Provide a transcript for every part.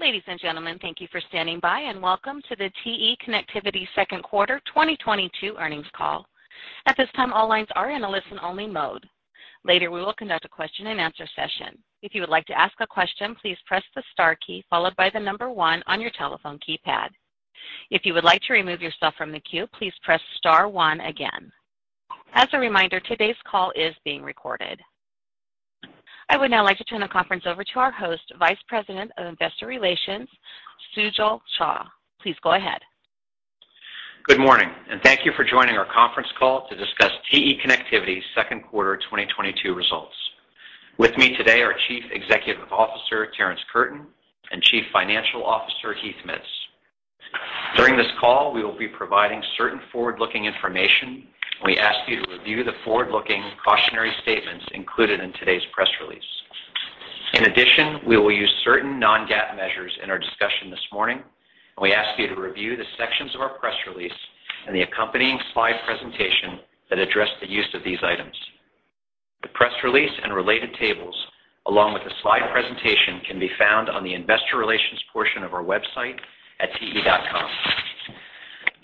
Ladies and gentlemen, thank you for standing by, and welcome to the TE Connectivity Second Quarter 2022 Earnings Call. At this time, all lines are in a listen-only mode. Later, we will conduct a question-and-answer session. If you would like to ask a question, please press the star key followed by the number one on your telephone keypad. If you would like to remove yourself from the queue, please press star one again. As a reminder, today's call is being recorded. I would now like to turn the conference over to our host, Vice President of Investor Relations, Sujal Shah. Please go ahead. Good morning, and thank you for joining our conference call to discuss TE Connectivity second quarter 2022 results. With me today are Chief Executive Officer Terrence Curtin and Chief Financial Officer Heath Mitts. During this call, we will be providing certain forward-looking information. We ask you to review the forward-looking cautionary statements included in today's press release. In addition, we will use certain non-GAAP measures in our discussion this morning, and we ask you to review the sections of our press release and the accompanying slide presentation that address the use of these items. The press release and related tables, along with the slide presentation, can be found on the investor relations portion of our website at te.com.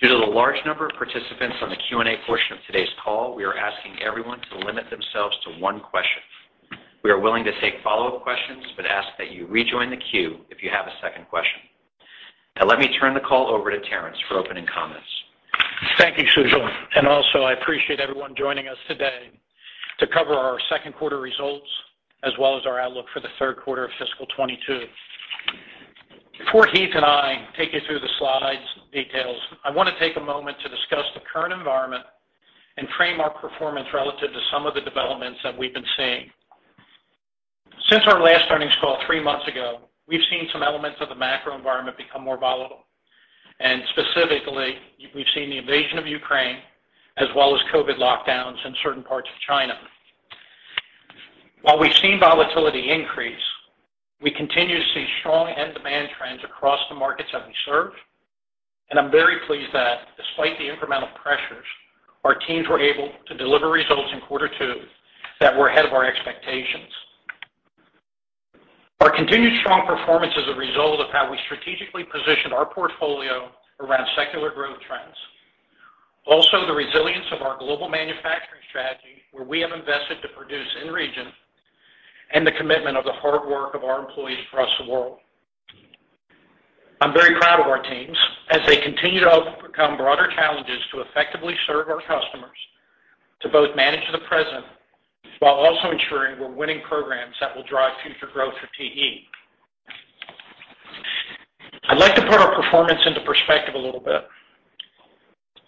Due to the large number of participants on the Q&A portion of today's call, we are asking everyone to limit themselves to one question. We are willing to take follow-up questions, but ask that you rejoin the queue if you have a second question. Now let me turn the call over to Terrence for opening comments. Thank you, Sujal. Also, I appreciate everyone joining us today to cover our second quarter results, as well as our outlook for the third quarter of fiscal 2022. Before Heath and I take you through the slides details, I wanna take a moment to discuss the current environment and frame our performance relative to some of the developments that we've been seeing. Since our last earnings call three months ago, we've seen some elements of the macro environment become more volatile. Specifically, we've seen the invasion of Ukraine as well as COVID lockdowns in certain parts of China. While we've seen volatility increase, we continue to see strong end demand trends across the markets that we serve, and I'm very pleased that despite the incremental pressures, our teams were able to deliver results in quarter two that were ahead of our expectations. Our continued strong performance is a result of how we strategically positioned our portfolio around secular growth trends. Also, the resilience of our global manufacturing strategy, where we have invested to produce in region, and the commitment of the hard work of our employees across the world. I'm very proud of our teams as they continue to help overcome broader challenges to effectively serve our customers to both manage the present while also ensuring we're winning programs that will drive future growth for TE. I'd like to put our performance into perspective a little bit.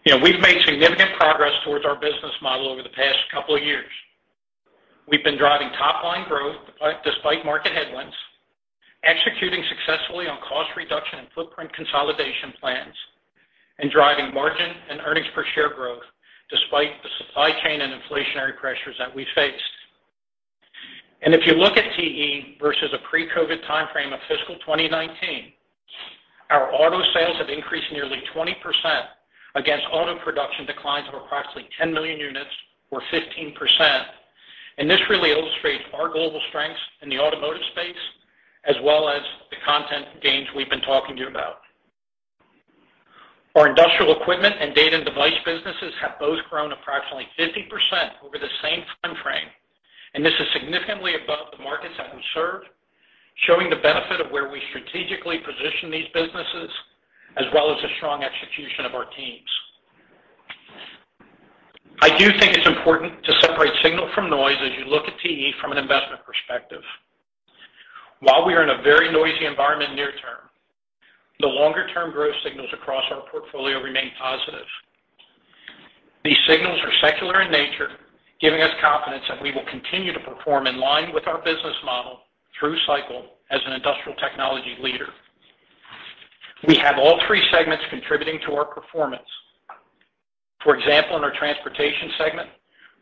You know, we've made significant progress towards our business model over the past couple of years. We've been driving top line growth despite market headwinds, executing successfully on cost reduction and footprint consolidation plans, and driving margin and earnings per share growth despite the supply chain and inflationary pressures that we faced. If you look at TE versus a pre-COVID timeframe of fiscal 2019, our auto sales have increased nearly 20% against auto production declines of approximately 10 million units or 15%. This really illustrates our global strengths in the automotive space, as well as the content gains we've been talking to you about. Our industrial equipment and data and device businesses have both grown approximately 50% over the same timeframe, and this is significantly above the markets that we serve, showing the benefit of where we strategically position these businesses, as well as the strong execution of our teams. I do think it's important to separate signal from noise as you look at TE from an investment perspective. While we are in a very noisy environment near term, the longer-term growth signals across our portfolio remain positive. These signals are secular in nature, giving us confidence that we will continue to perform in line with our business model through cycle as an industrial technology leader. We have all three segments contributing to our performance. For example, in our transportation segment,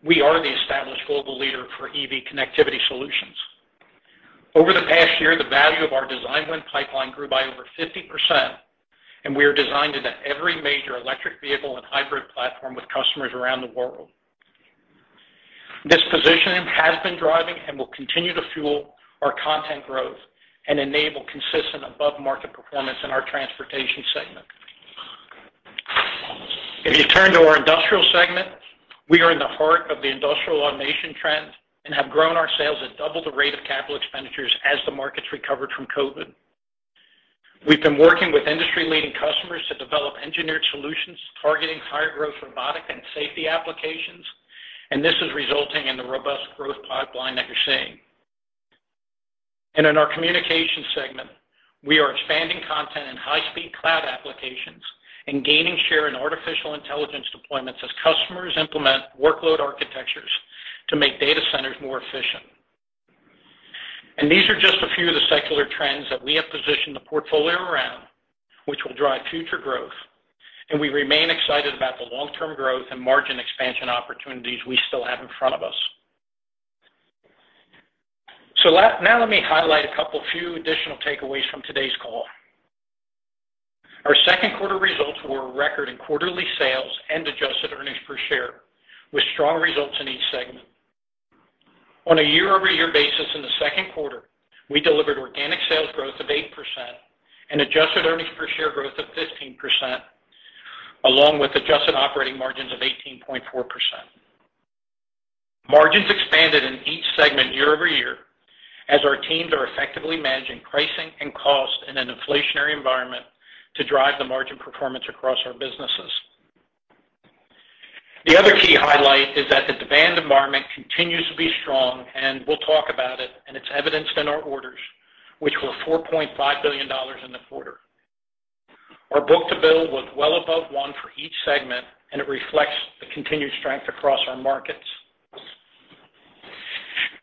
we are the established global leader for EV connectivity solutions. Over the past year, the value of our design win pipeline grew by over 50%, and we are designed into every major electric vehicle and hybrid platform with customers around the world. This positioning has been driving and will continue to fuel our content growth and enable consistent above market performance in our transportation segment. If you turn to our industrial segment, we are in the heart of the industrial automation trend and have grown our sales at double the rate of capital expenditures as the markets recovered from COVID. We've been working with industry-leading customers to develop engineered solutions targeting higher growth robotic and safety applications, and this is resulting in the robust growth pipeline that you're seeing. In our communications segment, we are expanding content in high-speed cloud applications and gaining share in artificial intelligence deployments as customers implement workload architectures to make data centers more efficient. These are just a few of the secular trends that we have positioned the portfolio around, which will drive future growth, and we remain excited about the long-term growth and margin expansion opportunities we still have in front of us. Now let me highlight a few additional takeaways from today's call. Our second quarter results were a record in quarterly sales and adjusted earnings per share, with strong results in each segment. On a year-over-year basis in the second quarter, we delivered organic sales growth of 8% and adjusted earnings per share growth of 15%, along with adjusted operating margins of 18.4%. Margins expanded in each segment year-over-year as our teams are effectively managing pricing and cost in an inflationary environment to drive the margin performance across our businesses. The other key highlight is that the demand environment continues to be strong and we'll talk about it, and it's evidenced in our orders, which were $4.5 billion in the quarter. Our book-to-bill was well above one for each segment, and it reflects the continued strength across our markets.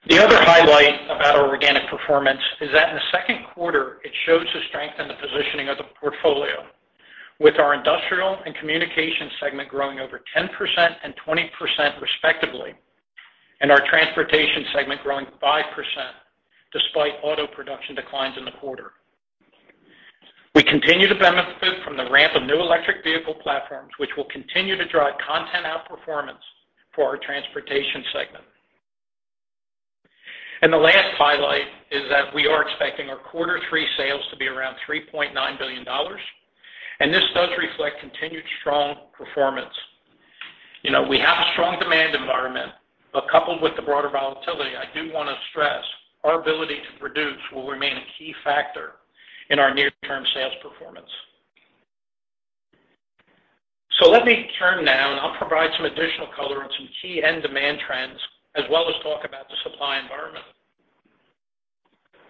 The other highlight about our organic performance is that in the second quarter, it shows the strength and the positioning of the portfolio, with our industrial and communication segment growing over 10% and 20% respectively, and our transportation segment growing 5% despite auto production declines in the quarter. We continue to benefit from the ramp of new electric vehicle platforms, which will continue to drive content outperformance for our transportation segment. The last highlight is that we are expecting our quarter three sales to be around $3.9 billion, and this does reflect continued strong performance. You know, we have a strong demand environment, but coupled with the broader volatility, I do want to stress our ability to produce will remain a key factor in our near-term sales performance. Let me turn now and I'll provide some additional color on some key end demand trends as well as talk about the supply environment.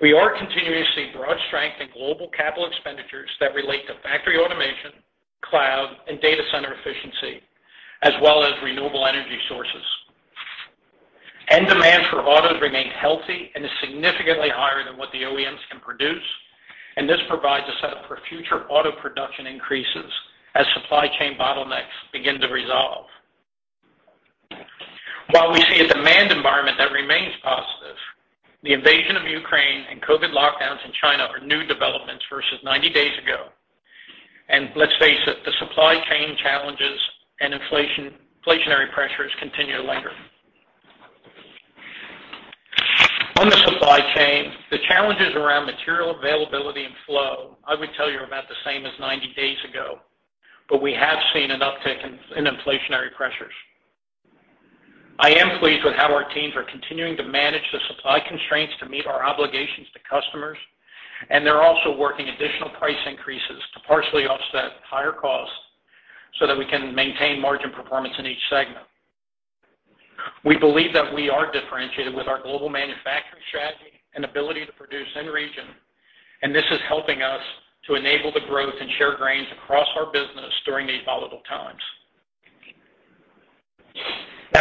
We are continuing to see broad strength in global capital expenditures that relate to factory automation, cloud, and data center efficiency, as well as renewable energy sources. End demand for autos remain healthy and is significantly higher than what the OEMs can produce, and this provides a setup for future auto production increases as supply chain bottlenecks begin to resolve. While we see a demand environment that remains positive, the invasion of Ukraine and COVID lockdowns in China are new developments versus 90 days ago. Let's face it, the supply chain challenges and inflation-inflationary pressures continue to linger. On the supply chain, the challenges around material availability and flow, I would tell you, are about the same as 90 days ago, but we have seen an uptick in inflationary pressures. I am pleased with how our teams are continuing to manage the supply constraints to meet our obligations to customers, and they're also working additional price increases to partially offset higher costs so that we can maintain margin performance in each segment. We believe that we are differentiated with our global manufacturing strategy and ability to produce in region, and this is helping us to enable the growth and share gains across our business during these volatile times. Now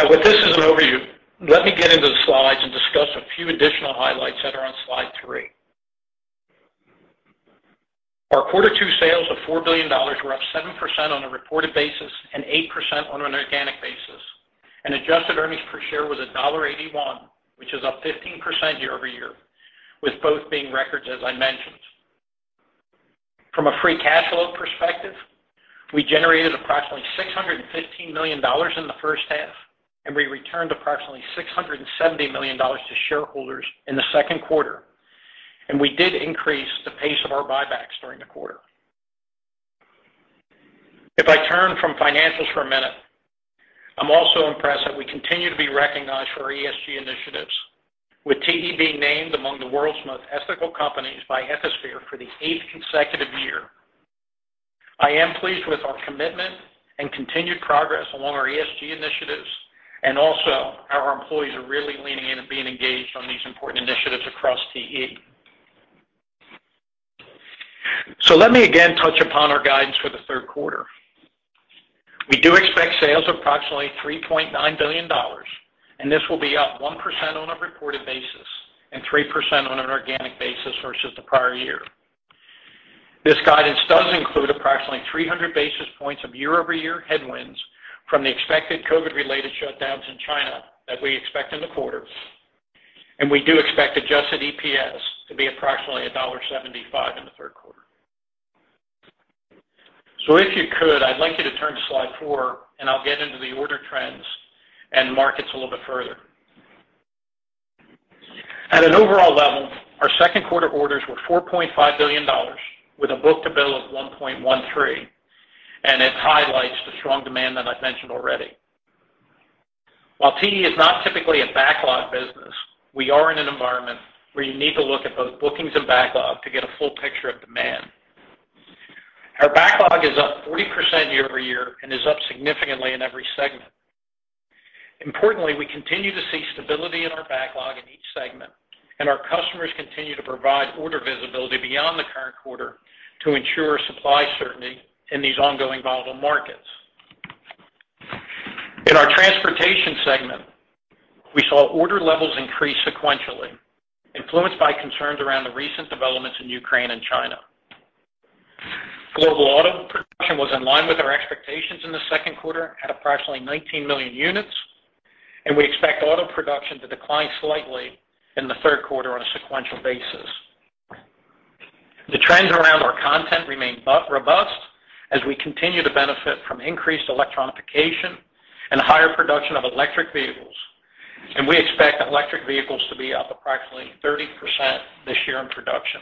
with this as an overview, let me get into the slides and discuss a few additional highlights that are on slide three. Our quarter two sales of $4 billion were up 7% on a reported basis and 8% on an organic basis, and adjusted earnings per share was $1.81, which is up 15% year-over-year, with both being records, as I mentioned. From a free cash flow perspective, we generated approximately $615 million in the first half, and we returned approximately $670 million to shareholders in the second quarter, and we did increase the pace of our buybacks during the quarter. If I turn from financials for a minute, I'm also impressed that we continue to be recognized for our ESG initiatives, with TE being named among the world's most ethical companies by Ethisphere for the eighth consecutive year. I am pleased with our commitment and continued progress along our ESG initiatives, and also how our employees are really leaning in and being engaged on these important initiatives across TE. Let me again touch upon our guidance for the third quarter. We do expect sales of approximately $3.9 billion, and this will be up 1% on a reported basis and 3% on an organic basis versus the prior year. This guidance does include approximately 300 basis points of year-over-year headwinds from the expected COVID-related shutdowns in China that we expect in the quarter. We do expect adjusted EPS to be approximately $1.75 in the third quarter. If you could, I'd like you to turn to slide 4, and I'll get into the order trends and markets a little bit further. At an overall level, our second quarter orders were $4.5 billion with a book-to-bill of 1.13, and it highlights the strong demand that I've mentioned already. While TE is not typically a backlog business, we are in an environment where you need to look at both bookings and backlog to get a full picture of demand. Our backlog is up 40% year-over-year and is up significantly in every segment. Importantly, we continue to see stability in our backlog in each segment, and our customers continue to provide order visibility beyond the current quarter to ensure supply certainty in these ongoing volatile markets. In our transportation segment, we saw order levels increase sequentially, influenced by concerns around the recent developments in Ukraine and China. Global auto production was in line with our expectations in the second quarter at approximately 19 million units. We expect auto production to decline slightly in the third quarter on a sequential basis. The trends around our content remain robust as we continue to benefit from increased electronification and higher production of electric vehicles. We expect electric vehicles to be up approximately 30% this year in production.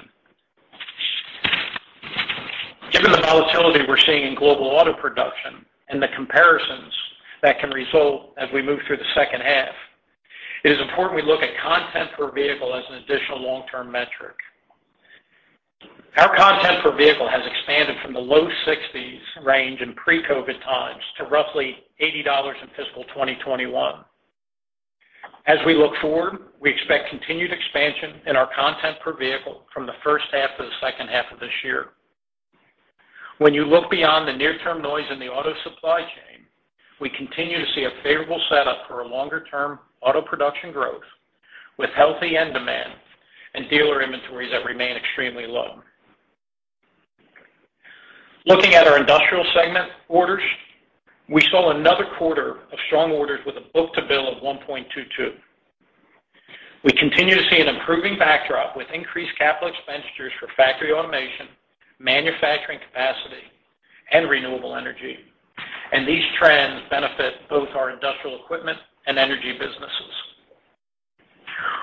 Given the volatility we're seeing in global auto production and the comparisons that can result as we move through the second half, it is important we look at content per vehicle as an additional long-term metric. Our content per vehicle has expanded from the low 60s range in pre-COVID times to roughly $80 in fiscal 2021. As we look forward, we expect continued expansion in our content per vehicle from the first half to the second half of this year. When you look beyond the near term noise in the auto supply chain, we continue to see a favorable setup for a longer term auto production growth with healthy end demand and dealer inventories that remain extremely low. Looking at our industrial segment orders, we saw another quarter of strong orders with a book-to-bill of 1.22. We continue to see an improving backdrop with increased capital expenditures for factory automation, manufacturing capacity, and renewable energy. These trends benefit both our industrial equipment and energy businesses.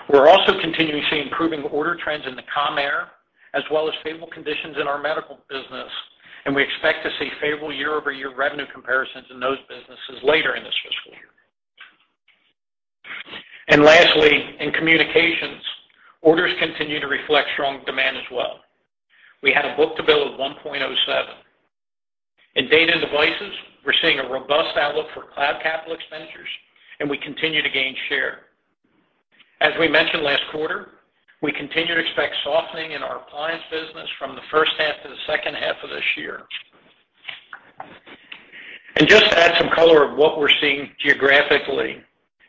We're also continuing to see improving order trends in the commercial aerospace, as well as favorable conditions in our medical business, and we expect to see favorable year-over-year revenue comparisons in those businesses later in this fiscal year. Lastly, in communications, orders continue to reflect strong demand as well. We had a book-to-bill of 1.07. In data and devices, we're seeing a robust outlook for cloud capital expenditures, and we continue to gain share. As we mentioned last quarter, we continue to expect softening in our appliance business from the first half to the second half of this year. Just to add some color on what we're seeing geographically,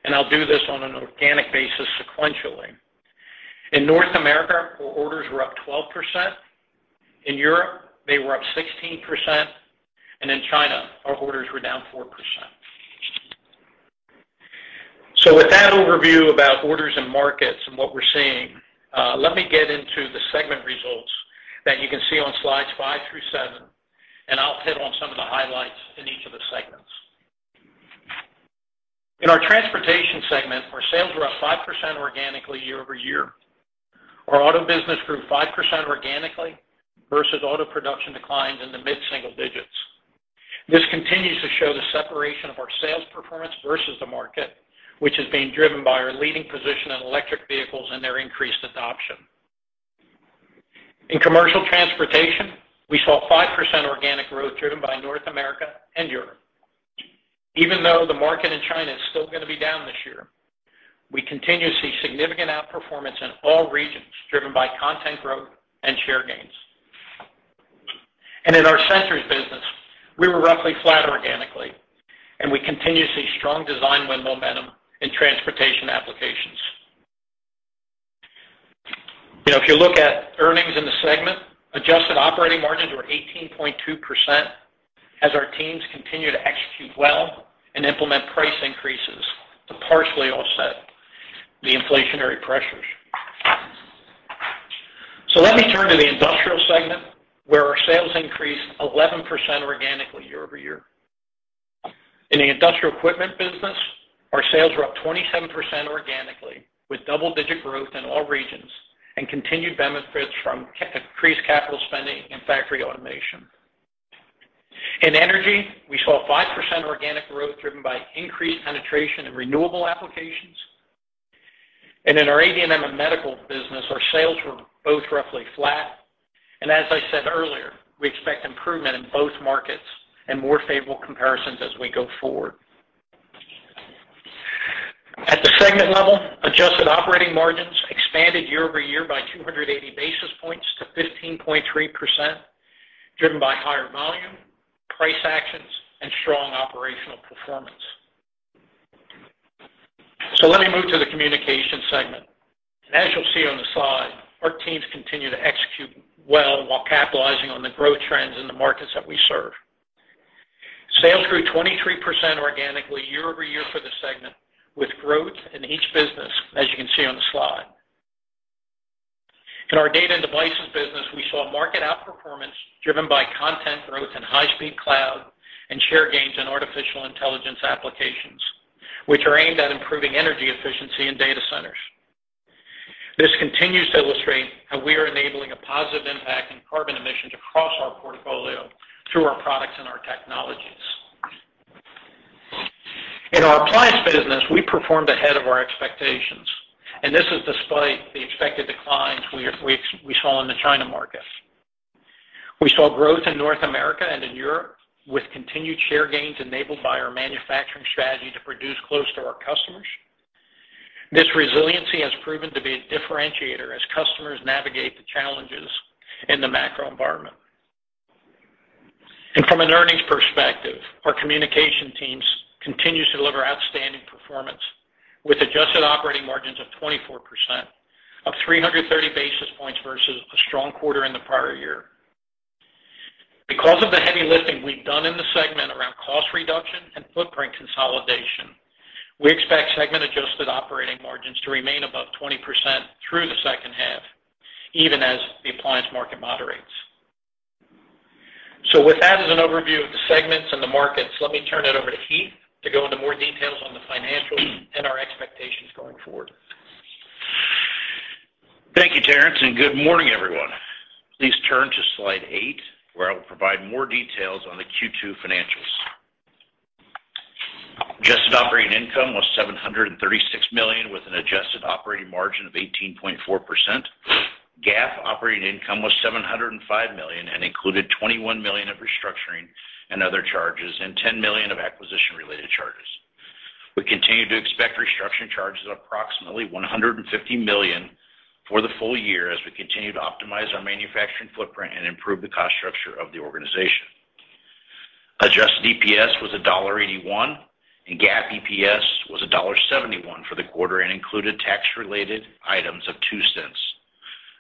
and I'll do this on an organic basis sequentially. In North America, our orders were up 12%. In Europe, they were up 16%, and in China, our orders were down 4%. With that overview about orders and markets and what we're seeing, let me get into the segment results that you can see on slides 5 through 7, and I'll hit on some of the highlights in each of the segments. In our transportation segment, our sales were up 5% organically year-over-year. Our auto business grew 5% organically versus auto production declines in the mid-single digits. This continues to show the separation of our sales performance versus the market, which is being driven by our leading position in electric vehicles and their increased adoption. In commercial transportation, we saw 5% organic growth driven by North America and Europe. Even though the market in China is still gonna be down this year, we continue to see significant outperformance in all regions driven by content growth and share gains. In our sensors business, we were roughly flat organically, and we continue to see strong design win momentum in transportation applications. You know, if you look at earnings in the segment, adjusted operating margins were 18.2% as our teams continue to execute well and implement price increases to partially offset the inflationary pressures. Let me turn to the industrial segment, where our sales increased 11% organically year over year. In the industrial equipment business, our sales were up 27% organically, with double-digit growth in all regions and continued benefits from increased capital spending and factory automation. In energy, we saw 5% organic growth driven by increased penetration in renewable applications. In our AD&M and medical business, our sales were both roughly flat. As I said earlier, we expect improvement in both markets and more favorable comparisons as we go forward. At the segment level, adjusted operating margins expanded year-over-year by 280 basis points to 15.3%, driven by higher volume, price actions, and strong operational performance. Let me move to the communication segment. As you'll see on the slide, our teams continue to execute well while capitalizing on the growth trends in the markets that we serve. Sales grew 23% organically year-over-year for the segment, with growth in each business, as you can see on the slide. In our data and devices business, we saw market outperformance driven by content growth in high-speed cloud and share gains in artificial intelligence applications, which are aimed at improving energy efficiency in data centers. This continues to illustrate how we are enabling a positive impact in carbon emissions across our portfolio through our products and our technologies. In our appliance business, we performed ahead of our expectations, and this is despite the expected declines we saw in the China market. We saw growth in North America and in Europe, with continued share gains enabled by our manufacturing strategy to produce close to our customers. This resiliency has proven to be a differentiator as customers navigate the challenges in the macro environment. From an earnings perspective, our communication teams continue to deliver outstanding performance with adjusted operating margins of 24%, up 330 basis points versus a strong quarter in the prior year. Because of the heavy lifting we've done in the segment around cost reduction and footprint consolidation, we expect segment adjusted operating margins to remain above 20% through the second half, even as the appliance market moderates. With that as an overview of the segments and the markets, let me turn it over to Heath to go into more details on the financials and our expectations going forward. Thank you, Terrence, and good morning, everyone. Please turn to slide 8, where I will provide more details on the Q2 financials. Adjusted operating income was $736 million, with an adjusted operating margin of 18.4%. GAAP operating income was $705 million and included $21 million of restructuring and other charges, and $10 million of acquisition-related charges. We continue to expect restructuring charges of approximately $150 million for the full year as we continue to optimize our manufacturing footprint and improve the cost structure of the organization. Adjusted EPS was $1.81, and GAAP EPS was $1.71 for the quarter and included tax-related items of $0.02.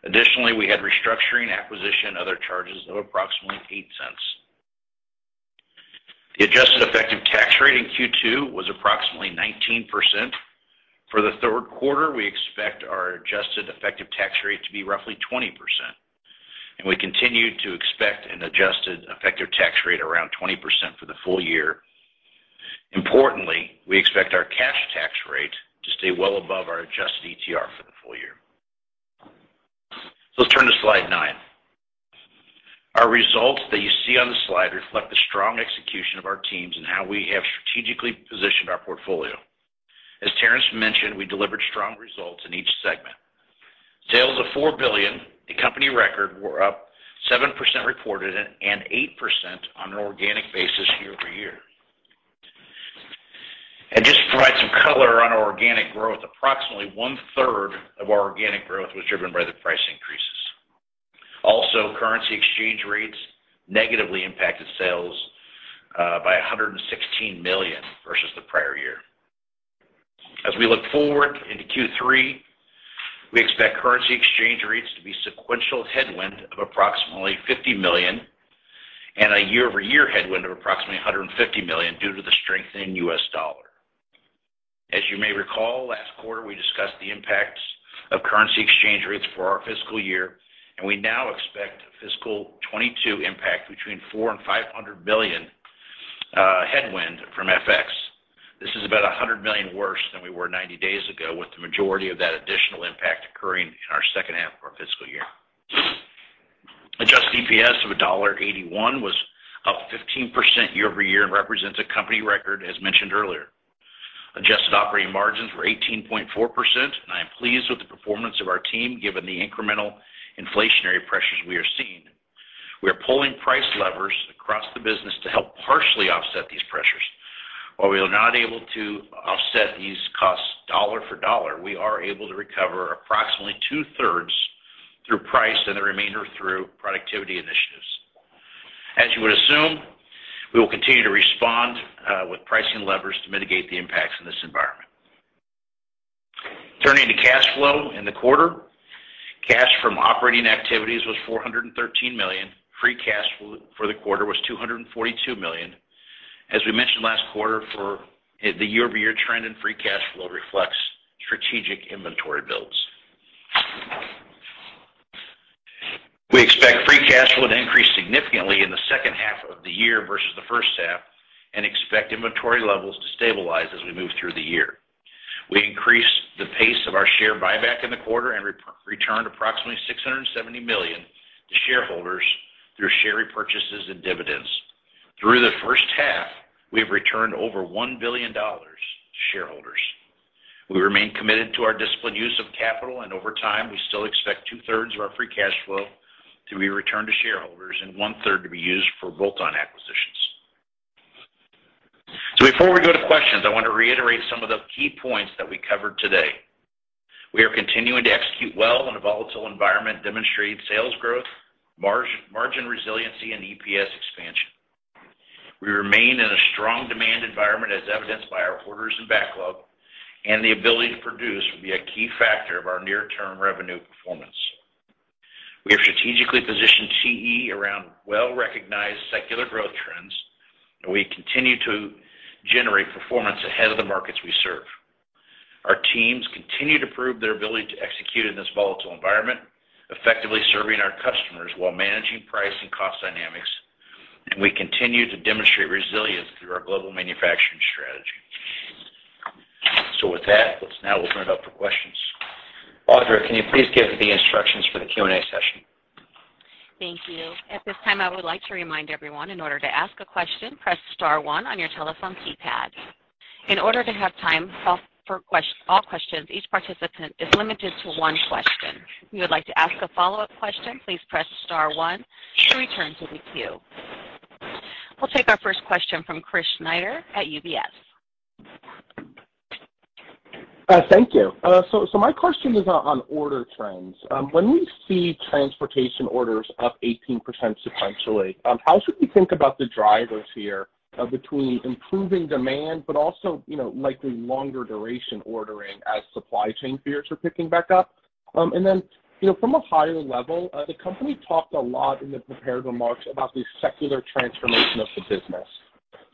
Additionally, we had restructuring, acquisition, other charges of approximately $0.08. The adjusted effective tax rate in Q2 was approximately 19%. For the third quarter, we expect our adjusted effective tax rate to be roughly 20%, and we continue to expect an adjusted effective tax rate around 20% for the full year. Importantly, we expect our cash tax rate to stay well above our adjusted ETR for the full year. Let's turn to slide 9. Our results that you see on the slide reflect the strong execution of our teams and how we have strategically positioned our portfolio. As Terrence mentioned, we delivered strong results in each segment. Sales of $4 billion, a company record, were up 7% reported and 8% on an organic basis year-over-year. Just to provide some color on our organic growth, approximately one-third of our organic growth was driven by the price increases. Currency exchange rates negatively impacted sales by $116 million versus the prior year. As we look forward into Q3, we expect currency exchange rates to be sequential headwind of approximately $50 million and a year-over-year headwind of approximately $150 million due to the strengthening U.S. dollar. As you may recall, last quarter we discussed the impacts of currency exchange rates for our fiscal year, and we now expect fiscal 2022 impact between $400 million and $500 million headwind from FX. This is about $100 million worse than we were 90 days ago, with the majority of that additional impact occurring in our second half of our fiscal year. Adjusted EPS of $1.81 was up 15% year-over-year and represents a company record as mentioned earlier. Adjusted operating margins were 18.4%, and I am pleased with the performance of our team given the incremental inflationary pressures we are seeing. We are pulling price levers across the business to help partially offset these pressures. While we are not able to offset these costs dollar for dollar, we are able to recover approximately two-thirds through price and the remainder through productivity initiatives. As you would assume, we will continue to respond with pricing levers to mitigate the impacts in this environment. Turning to cash flow in the quarter. Cash from operating activities was $413 million. Free cash for the quarter was $242 million. As we mentioned last quarter, the year-over-year trend in free cash flow reflects strategic inventory builds. We expect free cash flow to increase significantly in the second half of the year versus the first half and expect inventory levels to stabilize as we move through the year. We increased the pace of our share buyback in the quarter and returned approximately $670 million to shareholders through share repurchases and dividends. Through the first half, we have returned over $1 billion to shareholders. We remain committed to our disciplined use of capital, and over time, we still expect two-thirds of our free cash flow to be returned to shareholders and one-third to be used for bolt-on acquisitions. Before we go to questions, I want to reiterate some of the key points that we covered today. We are continuing to execute well in a volatile environment, demonstrating sales growth, margin resiliency, and EPS expansion. We remain in a strong demand environment as evidenced by our orders and backlog, and the ability to produce will be a key factor of our near-term revenue performance. We have strategically positioned TE around well-recognized secular growth trends, and we continue to generate performance ahead of the markets we serve. Our teams continue to prove their ability to execute in this volatile environment, effectively serving our customers while managing price and cost dynamics, and we continue to demonstrate resilience through our global manufacturing strategy. With that, let's now open it up for questions. Audra, can you please give the instructions for the Q&A session? Thank you. At this time, I would like to remind everyone in order to ask a question, press star one on your telephone keypad. In order to have time for all questions, each participant is limited to one question. If you would like to ask a follow-up question, please press star one to return to the queue. We'll take our first question from Chris Snyder at UBS. Thank you. My question is on order trends. When we see transportation orders up 18% sequentially, how should we think about the drivers here, between improving demand, but also, you know, likely longer duration ordering as supply chain fears are picking back up? You know, from a higher level, the company talked a lot in the prepared remarks about the secular transformation of the business.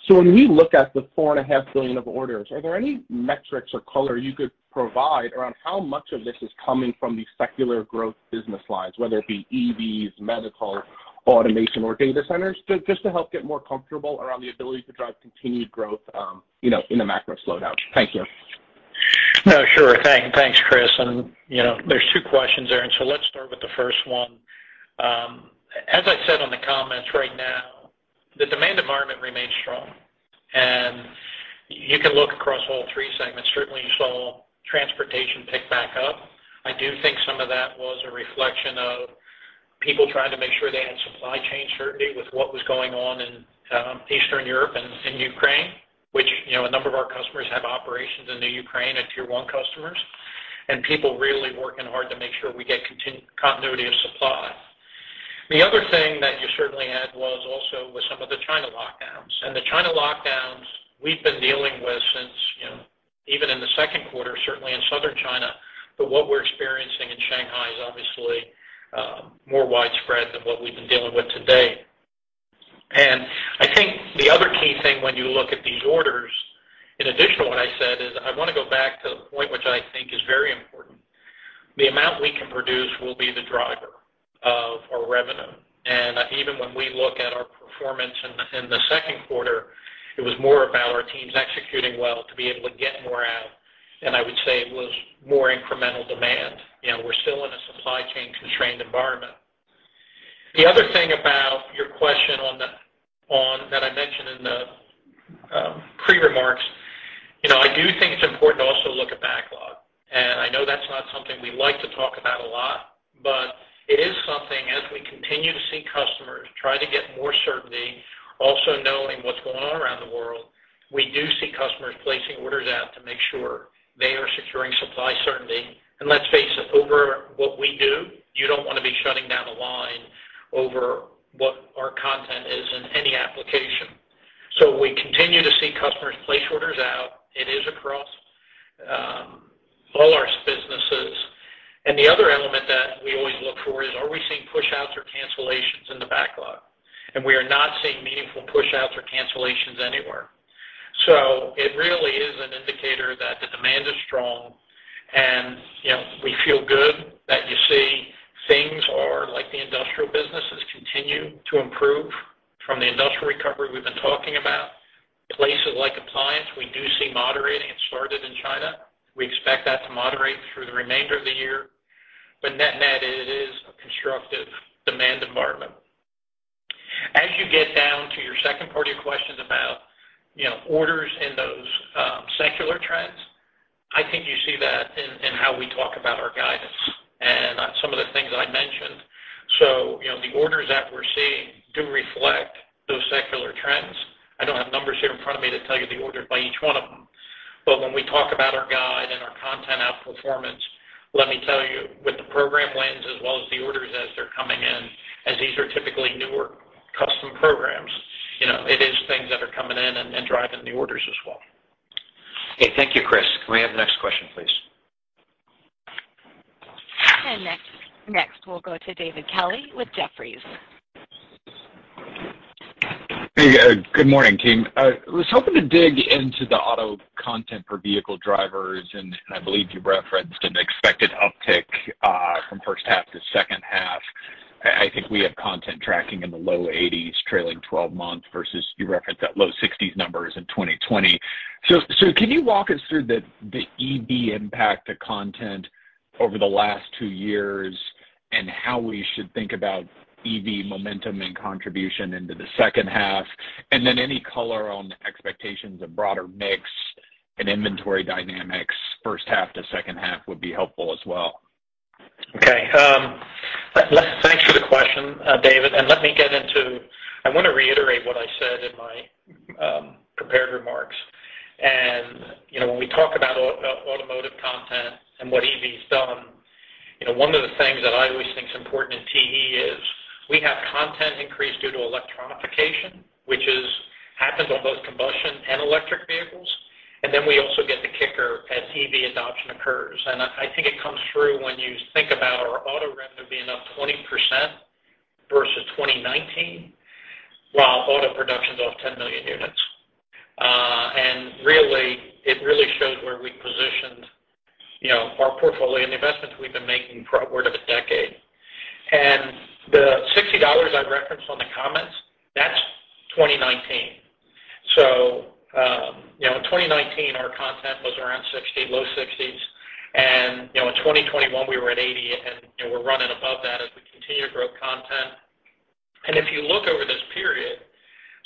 When we look at the $4.5 billion of orders, are there any metrics or color you could provide around how much of this is coming from the secular growth business lines, whether it be EVs, medical, automation, or data centers? Just to help get more comfortable around the ability to drive continued growth in a macro slowdown. Thank you. No, sure. Thanks, Chris. You know, there's two questions there, so let's start with the first one. As I said in the comments right now, the demand environment remains strong. You can look across all three segments. Certainly, you saw transportation pick back up. I do think some of that was a reflection of people trying to make sure they had supply chain certainty with what was going on in Eastern Europe and Ukraine, which, you know, a number of our customers have operations in Ukraine, our tier one customers, and people really working hard to make sure we get continuity of supply. The other thing that you certainly had was also with some of the China lockdowns. The China lockdowns we've been dealing with since, you know, even in the second quarter, certainly in southern China, but what we're experiencing in Shanghai is obviously more widespread than what we've been dealing with today. I think the other key thing when you look at these orders, in addition to what I said, is I wanna go back to the point which I think is very important. The amount we can produce will be the driver of our revenue. Even when we look at our performance in the second quarter, it was more about our teams executing well to be able to get more out, and I would say it was more incremental demand. You know, we're still in a supply chain constrained environment. The other thing about your question on that I mentioned in the pre-remarks, you know, I do think it's important to also look at backlog. I know that's not something we like to talk about a lot, but it is something as we continue to see customers try to get more certainty, also knowing what's going on around the world, we do see customers placing orders out to make sure they are securing supply certainty. Let's face it, over what we do, you don't wanna be shutting down a line over what our content is in any application. We continue to see customers place orders out. It is across all our businesses. The other element that we always look for is, are we seeing pushouts or cancellations in the backlog? We are not seeing meaningful pushouts or cancellations anywhere. It really is an indicator that the demand is strong and, you know, we feel good that you see things are like the industrial businesses continue to improve from the industrial recovery we've been talking about. Places like appliance, we do see moderating. It started in China. We expect that to moderate through the remainder of the year. Net-net, it is a constructive demand environment. As you get down to your second part of your question about, you know, orders and those, secular trends, I think you see that in how we talk about our guidance and some of the things I mentioned. You know, the orders that we're seeing do reflect those secular trends. I don't have numbers here in front of me to tell you the orders by each one of them. When we talk about our guide and our content outperformance, let me tell you, with the program wins as well as the orders as they're coming in, as these are typically newer custom programs, you know, it is things that are coming in and driving the orders as well. Okay. Thank you, Chris. Can we have the next question, please? Next we'll go to David Kelley with Jefferies. Hey, good morning, team. Was hoping to dig into the auto content per vehicle drivers, and I believe you referenced an expected uptick from first half to second half. I think we have content tracking in the low 80s trailing 12 months versus you referenced that low 60s numbers in 2020. Can you walk us through the EV impact to content over the last two years and how we should think about EV momentum and contribution into the second half? Any color on expectations of broader mix and inventory dynamics first half to second half would be helpful as well. Okay. Thanks for the question, David, and let me get into I want to reiterate what I said in my prepared remarks. You know, when we talk about automotive content and what EV's done, you know, one of the things that I always think is important in TE is we have content increase due to electronification, which happens on both combustion and electric vehicles, and then we also get the kicker as EV adoption occurs. I think it comes through when you think about our auto revenue being up 20% versus 2019, while auto production's off 10 million units. Really, it really shows where we positioned, you know, our portfolio and the investments we've been making for upward of a decade. The $60 I referenced in the comments, that's 2019. You know, in 2019, our content was around 60, low 60s. You know, in 2021 we were at 80, and you know, we're running above that as we continue to grow content. If you look over this period,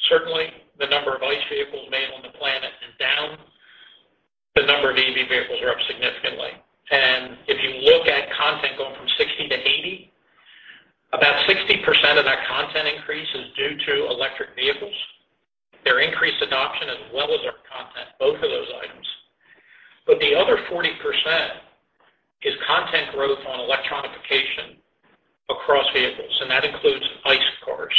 certainly the number of ICE vehicles made on the planet is down. The number of EV vehicles are up significantly. If you look at content going from 60 to 80, about 60% of that content increase is due to electric vehicles, their increased adoption as well as our content, both of those items. The other 40% is content growth on electronification. Across vehicles, and that includes ICE cars.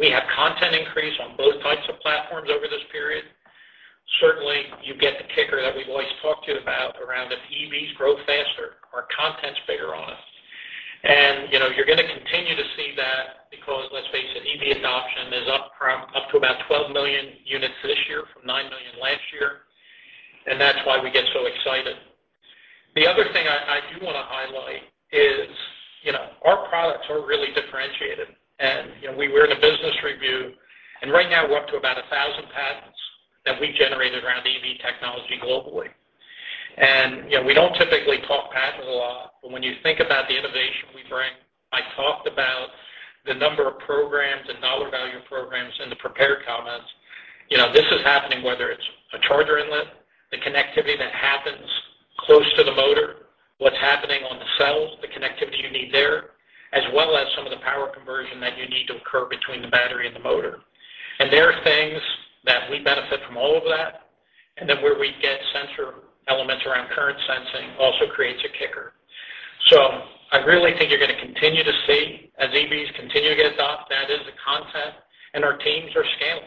We have content increase on both types of platforms over this period. Certainly, you get the kicker that we've always talked to you about around if EVs grow faster, our content's bigger on us. You know, you're gonna continue to see that because let's face it, EV adoption is up to about 12 million units this year from 9 million last year, and that's why we get so excited. The other thing I do wanna highlight is, you know, our products are really differentiated. You know, we were in a business review, and right now we're up to about 1,000 patents that we generated around EV technology globally. You know, we don't typically talk patents a lot, but when you think about the innovation we bring, I talked about the number of programs and dollar value programs in the prepared comments. You know, this is happening whether it's a charger inlet, the connectivity that happens close to the motor, what's happening on the cells, the connectivity you need there, as well as some of the power conversion that you need to occur between the battery and the motor. There are things that we benefit from all of that, and then where we get sensor elements around current sensing also creates a kicker. I really think you're gonna continue to see as EVs continue to get adopted, that is the content and our teams are scaling.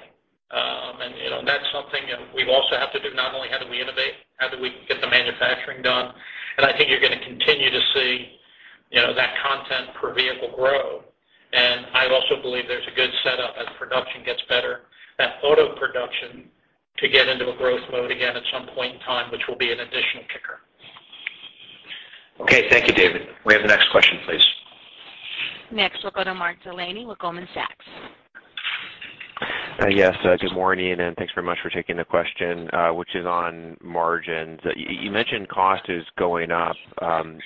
You know, that's something you know we also have to do, not only how do we innovate, how do we get the manufacturing done. I think you're gonna continue to see, you know, that content per vehicle grow. I also believe there's a good setup as production gets better, that auto production to get into a growth mode again at some point in time, which will be an additional kicker. Okay. Thank you, David. Can we have the next question, please? Next, we'll go to Mark Delaney with Goldman Sachs. Yes, good morning, and thanks very much for taking the question, which is on margins. You mentioned cost is going up.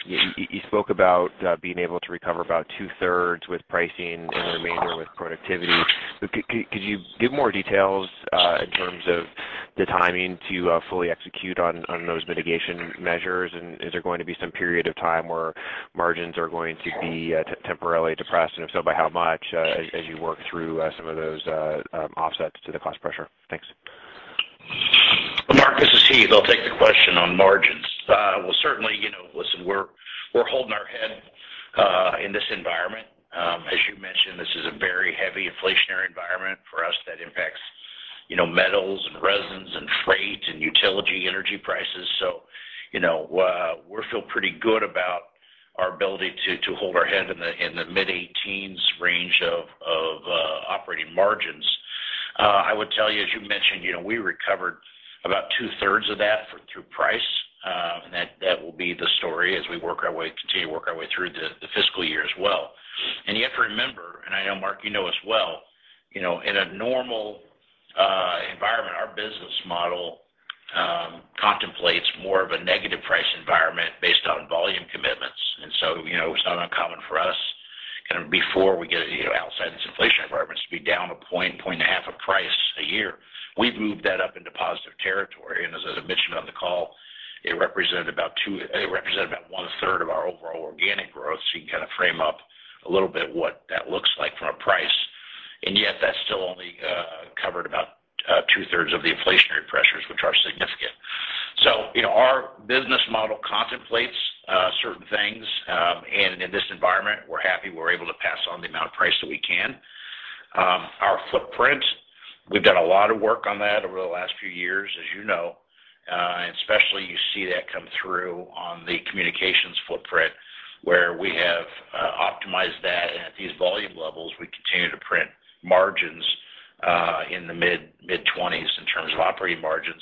You spoke about being able to recover about two-thirds with pricing and the remainder with productivity. Could you give more details in terms of the timing to fully execute on those mitigation measures? Is there going to be some period of time where margins are going to be temporarily depressed? If so, by how much, as you work through some of those offsets to the cost pressure? Thanks. Mark, this is Heath. I'll take the question on margins. Well, certainly, you know, listen, we're holding our head in this environment. As you mentioned, this is a very heavy inflationary environment for us that impacts, you know, metals and resins and freight and utility energy prices. You know, we feel pretty good about our ability to hold our head in the mid-18% range of operating margins. I would tell you, as you mentioned, you know, we recovered about two-thirds of that through price, and that will be the story as we continue to work our way through the fiscal year as well. You have to remember, and I know Mark, you know as well, you know, in a normal environment, our business model contemplates more of a negative price environment based on volume commitments. You know, it's not uncommon for us kind of before we get, you know, outside this inflation environment to be down 1-1.5 points of price a year. We've moved that up into positive territory. As I mentioned on the call, it represented about 1/3 of our overall organic growth. You kind of frame up a little bit what that looks like from a price. Yet that's still only covered about 2/3 of the inflationary pressures, which are significant. You know, our business model contemplates certain things, and in this environment, we're happy we're able to pass on the amount of price that we can. Our footprint, we've done a lot of work on that over the last few years, as you know. Especially you see that come through on the communications footprint where we have optimized that. At these volume levels, we continue to print margins in the mid-20s% in terms of operating margins.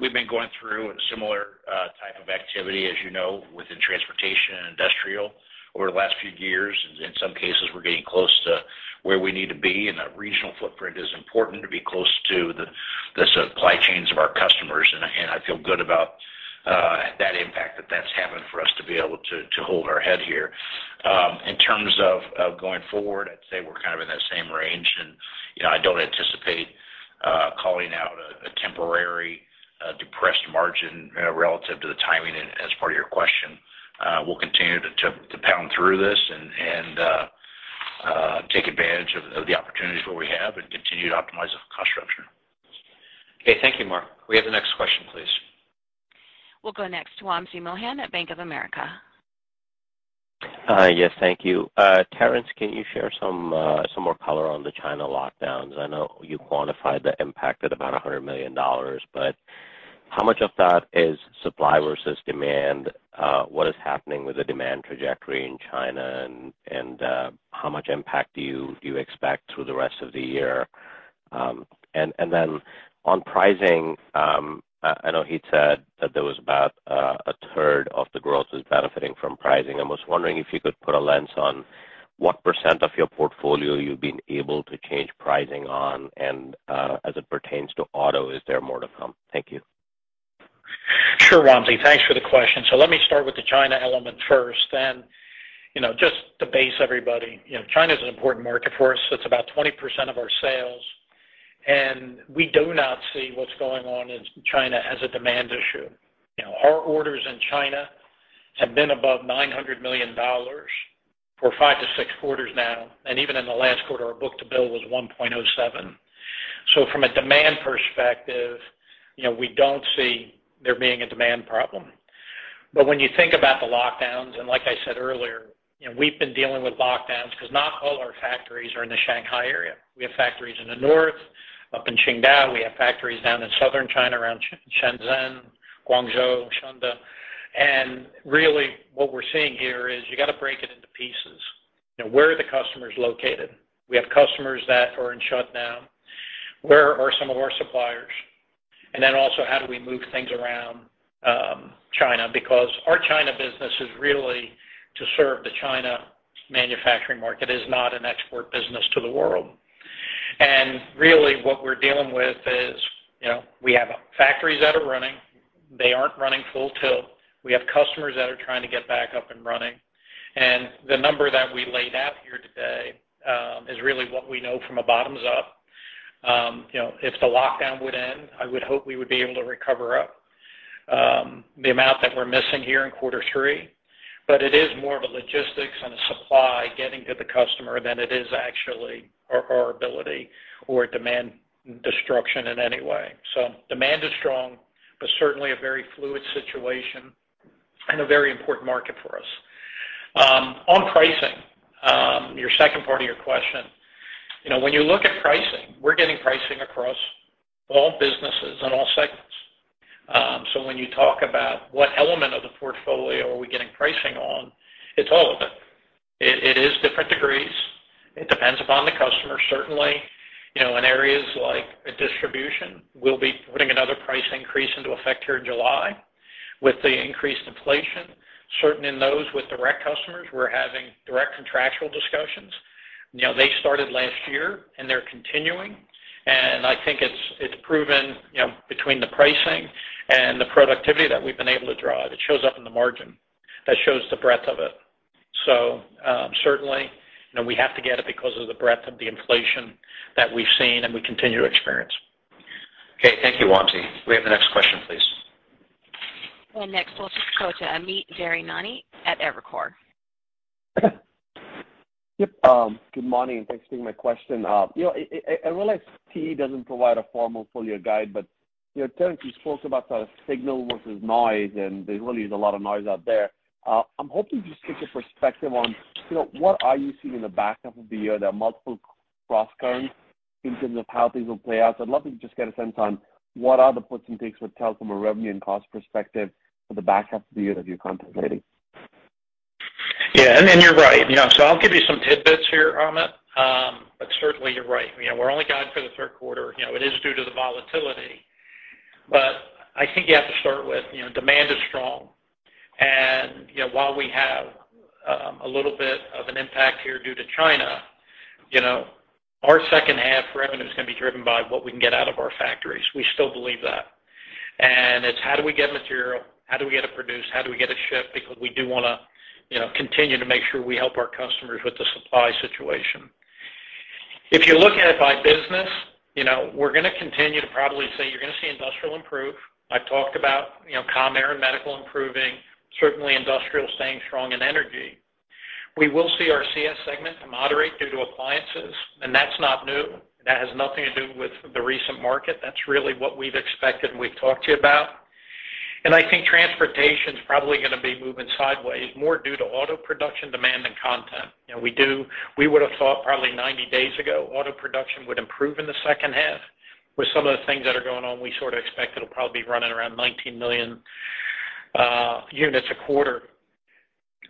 We've been going through a similar type of activity, as you know, within transportation and industrial over the last few years. In some cases, we're getting close to where we need to be, and that regional footprint is important to be close to the supply chains of our customers. I feel good about that impact that's having for us to be able to hold our head here. In terms of going forward, I'd say we're kind of in that same range. You know, I don't anticipate calling out a temporary depressed margin relative to the timing as part of your question. We'll continue to pound through this and take advantage of the opportunities where we have and continue to optimize the cost structure. Okay. Thank you, Mark. Can we have the next question, please? We'll go next to Wamsi Mohan at Bank of America. Yes, thank you. Terrence, can you share some more color on the China lockdowns? I know you quantified the impact at about $100 million, but how much of that is supply versus demand? What is happening with the demand trajectory in China and how much impact do you expect through the rest of the year? And then on pricing, I know Heath said that there was about a third of the growth benefiting from pricing. I was wondering if you could put a lens on what percent of your portfolio you've been able to change pricing on and as it pertains to auto, is there more to come? Thank you. Sure, Wamsi. Thanks for the question. Let me start with the China element first. You know, just to baseline everybody, you know, China is an important market for us. It is about 20% of our sales, and we do not see what is going on in China as a demand issue. You know, our orders in China have been above $900 million for 5-6 quarters now. Even in the last quarter, our book-to-bill was 1.07. From a demand perspective, you know, we don't see there being a demand problem. When you think about the lockdowns, and like I said earlier, you know, we've been dealing with lockdowns 'cause not all our factories are in the Shanghai area. We have factories in the north, up in Qingdao. We have factories down in southern China, around Shenzhen, Guangzhou, Shunde. Really what we're seeing here is you gotta break it into pieces. You know, where are the customers located? We have customers that are in shutdown. Where are some of our suppliers? And then also, how do we move things around, China? Because our China business is really to serve the China manufacturing market. It is not an export business to the world. Really what we're dealing with is, you know, we have factories that are running. They aren't running full tilt. We have customers that are trying to get back up and running. The number that we laid out here today is really what we know from a bottoms-up. You know, if the lockdown would end, I would hope we would be able to recover up the amount that we're missing here in quarter three. It is more of a logistics and a supply getting to the customer than it is actually our ability or demand destruction in any way. Demand is strong, but certainly a very fluid situation and a very important market for us. On pricing, your second part of your question. You know, when you look at pricing, we're getting pricing across all businesses and all segments. When you talk about what element of the portfolio are we getting pricing on, it's all of it. It is different degrees. It depends upon the customer. Certainly, you know, in areas like a distribution, we'll be putting another price increase into effect here in July with the increased inflation. Certainly, in those with direct customers, we're having direct contractual discussions. You know, they started last year, and they're continuing. I think it's proven, you know, between the pricing and the productivity that we've been able to drive, it shows up in the margin. That shows the breadth of it. Certainly, you know, we have to get it because of the breadth of the inflation that we've seen and we continue to experience. Okay, thank you, Wamsi. May we have the next question, please? Next we'll just go to Amit Daryanani at Evercore. Yep, good morning, thanks for taking my question. You know, I realize TE doesn't provide a formal full-year guide, but, you know, Terrence, you spoke about the signal versus noise, and there really is a lot of noise out there. I'm hoping to just get your perspective on, you know, what are you seeing in the back half of the year? There are multiple crosscurrents in terms of how things will play out, so I'd love to just get a sense on what are the puts and takes with TE from a revenue and cost perspective for the back half of the year that you're contemplating. Yeah. You're right. You know, so I'll give you some tidbits here, Amit. Certainly you're right. You know, we're only guiding for the third quarter. You know, it is due to the volatility. I think you have to start with, you know, demand is strong. You know, while we have a little bit of an impact here due to China, you know, our second half revenue is gonna be driven by what we can get out of our factories. We still believe that. It's how do we get material? How do we get it produced? How do we get it shipped? Because we do wanna, you know, continue to make sure we help our customers with the supply situation. If you look at it by business, you know, we're gonna continue to probably say you're gonna see industrial improve. I've talked about, you know, com, air, and medical improving, certainly industrial staying strong in energy. We will see our CS segment moderate due to appliances, and that's not new. That has nothing to do with the recent market. That's really what we've expected and we've talked to you about. I think transportation's probably gonna be moving sideways, more due to auto production demand than content. You know, we would've thought probably 90 days ago, auto production would improve in the second half. With some of the things that are going on, we sort of expect it'll probably be running around 19 million units a quarter.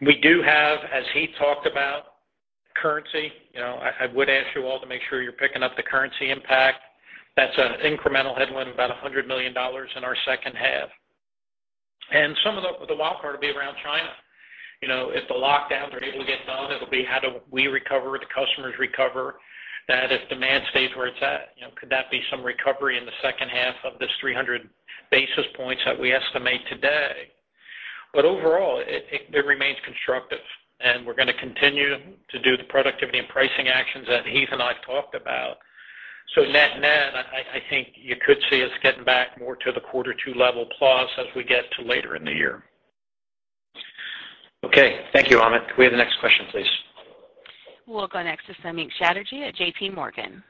We do have, as Heath talked about, currency. You know, I would ask you all to make sure you're picking up the currency impact. That's an incremental headwind, about $100 million in our second half. Some of the wild card will be around China. You know, if the lockdowns are able to get done, it'll be how do we recover, the customers recover, that if demand stays where it's at. You know, could that be some recovery in the second half of this 300 basis points that we estimate today? Overall, it remains constructive, and we're gonna continue to do the productivity and pricing actions that Heath and I have talked about. Net-net, I think you could see us getting back more to the quarter two level plus as we get to later in the year. Okay. Thank you, Amit. May we have the next question, please? We'll go next to Samik Chatterjee at JPMorgan.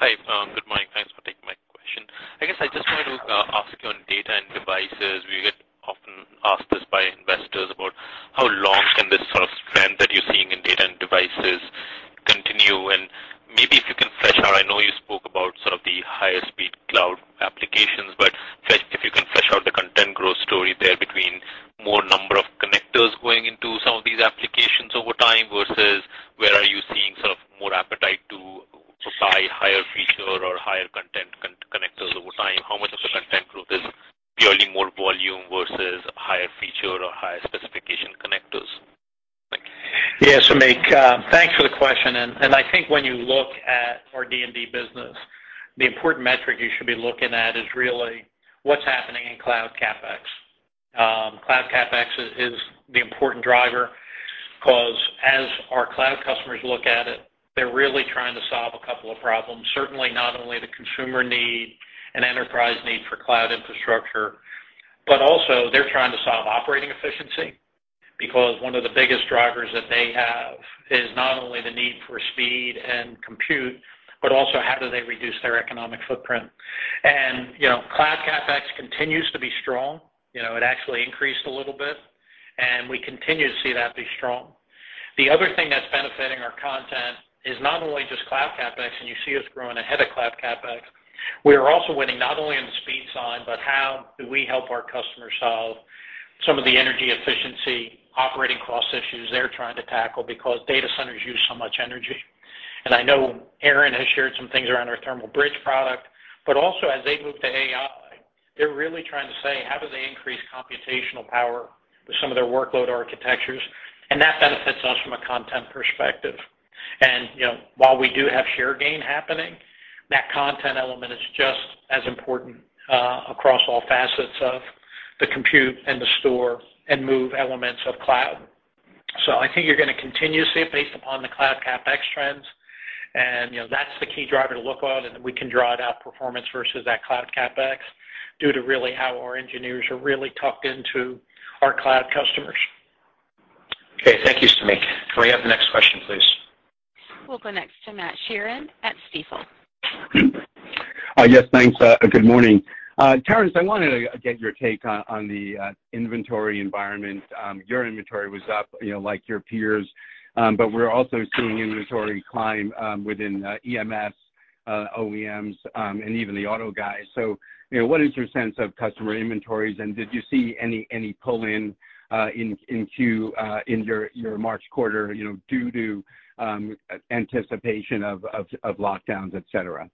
Hi, good morning. Thanks for taking my question. I guess I just wanted to ask you on data and devices. We get often asked this by investors about how long can this sort of trend that you're seeing in data and devices continue? Maybe if you can flesh out, I know you spoke about sort of the higher speed cloud applications, but just if you can flesh out the content growth story there between more number of connectors going into some of these applications over time versus where are you seeing sort of more appetite to supply higher feature or higher content connectors over time? How much of the content growth is purely more volume versus higher feature or higher specification connectors? Thank you. Yeah, Samik, thanks for the question. I think when you look at our D&D business, the important metric you should be looking at is really what's happening in cloud CapEx. Cloud CapEx is the important driver 'cause as our cloud customers look at it, they're really trying to solve a couple of problems. Certainly not only the consumer need and enterprise need for cloud infrastructure, they're trying to solve operating efficiency because one of the biggest drivers that they have is not only the need for speed and compute, but also how do they reduce their economic footprint. You know, cloud CapEx continues to be strong. You know, it actually increased a little bit, and we continue to see that be strong. The other thing that's benefiting our content is not only just cloud CapEx, and you see us growing ahead of cloud CapEx. We are also winning not only on the speed side, but how do we help our customers solve some of the energy efficiency operating cost issues they're trying to tackle because data centers use so much energy. I know Aaron has shared some things around our thermal bridge product, but also as they move to AI, they're really trying to say, how do they increase computational power with some of their workload architectures, and that benefits us from a content perspective. You know, while we do have share gain happening, that content element is just as important, across all facets of the compute and the store and move elements of cloud. I think you're gonna continue to see it based upon the cloud CapEx trends. You know, that's the key driver to look on, and we can draw our outperformance versus that cloud CapEx, due to really how our engineers are really tucked into our cloud customers. Okay, thank you, Samik. Can we have the next question, please? We'll go next to Matt Sheerin at Stifel. Yes, thanks. Good morning. Terrence, I wanted to get your take on the inventory environment. Your inventory was up, you know, like your peers, but we're also seeing inventory climb within EMS, OEMs, and even the auto guys. You know, what is your sense of customer inventories, and did you see any pull-in in your March quarter, you know, due to anticipation of lockdowns, et cetera?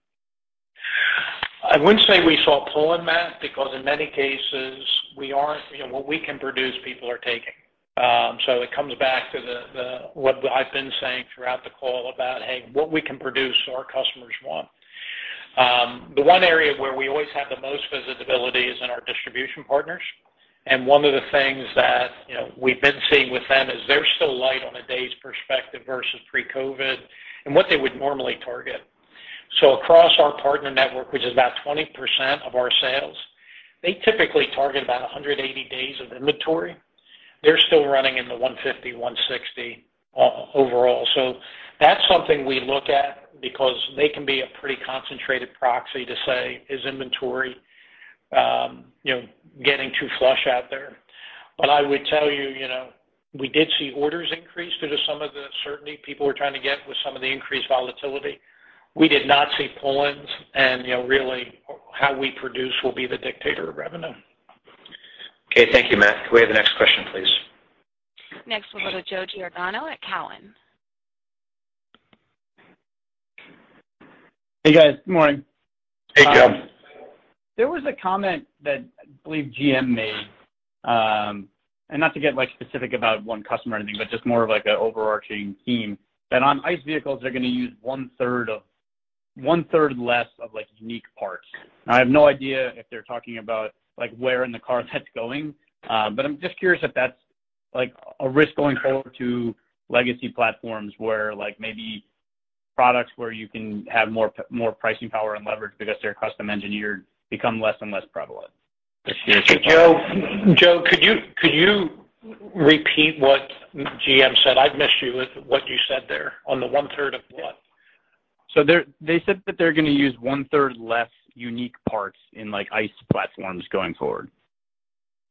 I wouldn't say we saw pull-in, Matt, because in many cases we aren't. You know, what we can produce, people are taking. It comes back to the what I've been saying throughout the call about, hey, what we can produce, our customers want. The one area where we always have the most visibility is in our distribution partners. One of the things that, you know, we've been seeing with them is they're still light on a days' perspective versus pre-COVID and what they would normally target. Across our partner network, which is about 20% of our sales, they typically target about 180 days of inventory. They're still running in the 150, 160 overall. That's something we look at because they can be a pretty concentrated proxy to say, is inventory, you know, getting too flush out there. I would tell you know, we did see orders increase due to some of the certainty people were trying to get with some of the increased volatility. We did not see pull-ins and, you know, really how we produce will be the determinant of revenue. Okay. Thank you, Matt. Can we have the next question, please? Next we'll go to Joe Giordano at Cowen. Hey, guys. Good morning. Hey, Joe. There was a comment that I believe GM made, and not to get, like, specific about one customer or anything, but just more of, like, an overarching theme, that on ICE vehicles, they're gonna use one-third less of, like, unique parts. Now, I have no idea if they're talking about, like, where in the car that's going, but I'm just curious if that's, like, a risk going forward to legacy platforms where, like, maybe products where you can have more pricing power and leverage because they're custom engineered become less and less prevalent. Joe, could you repeat what GM said? I've missed what you said there on the one-third of what? They said that they're gonna use one-third less unique parts in, like, ICE platforms going forward.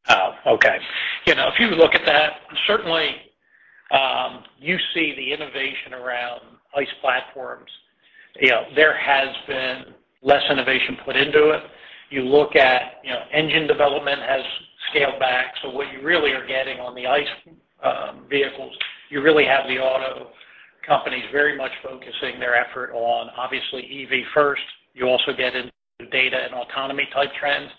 Oh, okay. You know, if you look at that, certainly, you see the innovation around ICE platforms. You know, there has been less innovation put into it. You look at, you know, engine development has scaled back, so what you really are getting on the ICE vehicles, you really have the auto companies very much focusing their effort on obviously EV first. You also get into data and autonomy type trends.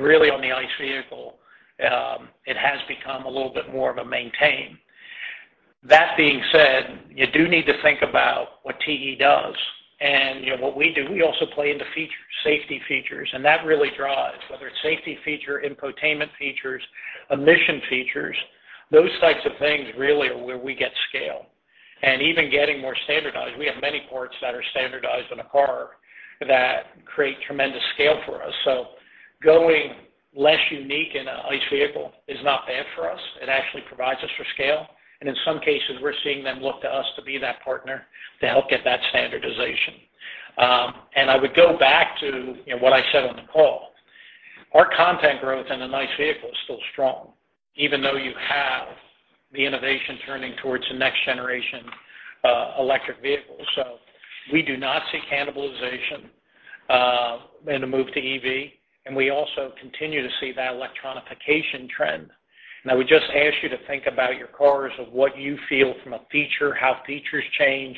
Really on the ICE vehicle, it has become a little bit more of a maintenance. That being said, you do need to think about what TE does. You know what we do, we also play into features, safety features, and that really drives. Whether it's safety feature, infotainment features, emission features, those types of things really are where we get scale. Even getting more standardized, we have many ports that are standardized in a car that create tremendous scale for us. Going less unique in an ICE vehicle is not bad for us. It actually provides us for scale. In some cases, we're seeing them look to us to be that partner to help get that standardization. I would go back to, you know, what I said on the call. Our content growth in an ICE vehicle is still strong, even though you have the innovation turning towards the next generation, electric vehicle. We do not see cannibalization in a move to EV, and we also continue to see that electronification trend. Now, we just ask you to think about your cars of what you feel from a feature, how features change.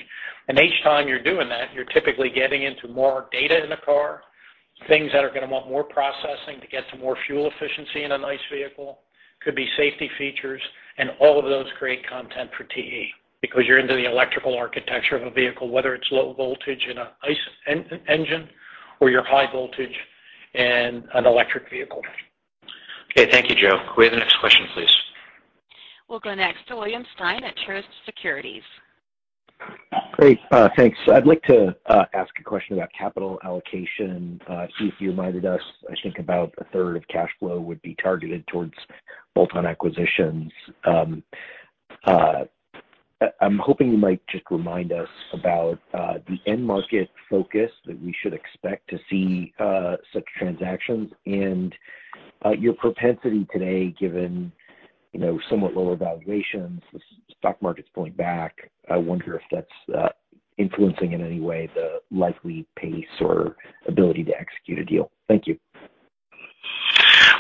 Each time you're doing that, you're typically getting into more data in a car, things that are gonna want more processing to get to more fuel efficiency in an ICE vehicle. Could be safety features and all of those create content for TE because you're into the electrical architecture of a vehicle, whether it's low voltage in an ICE engine or you're high voltage in an electric vehicle. Okay. Thank you, Joe. Can we have the next question? We'll go next to William Stein at Truist Securities. Great. Thanks. I'd like to ask a question about capital allocation. Heath, you reminded us, I think about a third of cash flow would be targeted towards bolt-on acquisitions. I'm hoping you might just remind us about the end market focus that we should expect to see such transactions and your propensity today given, you know, somewhat lower valuations, the stock market's pulling back. I wonder if that's influencing in any way the likely pace or ability to execute a deal. Thank you.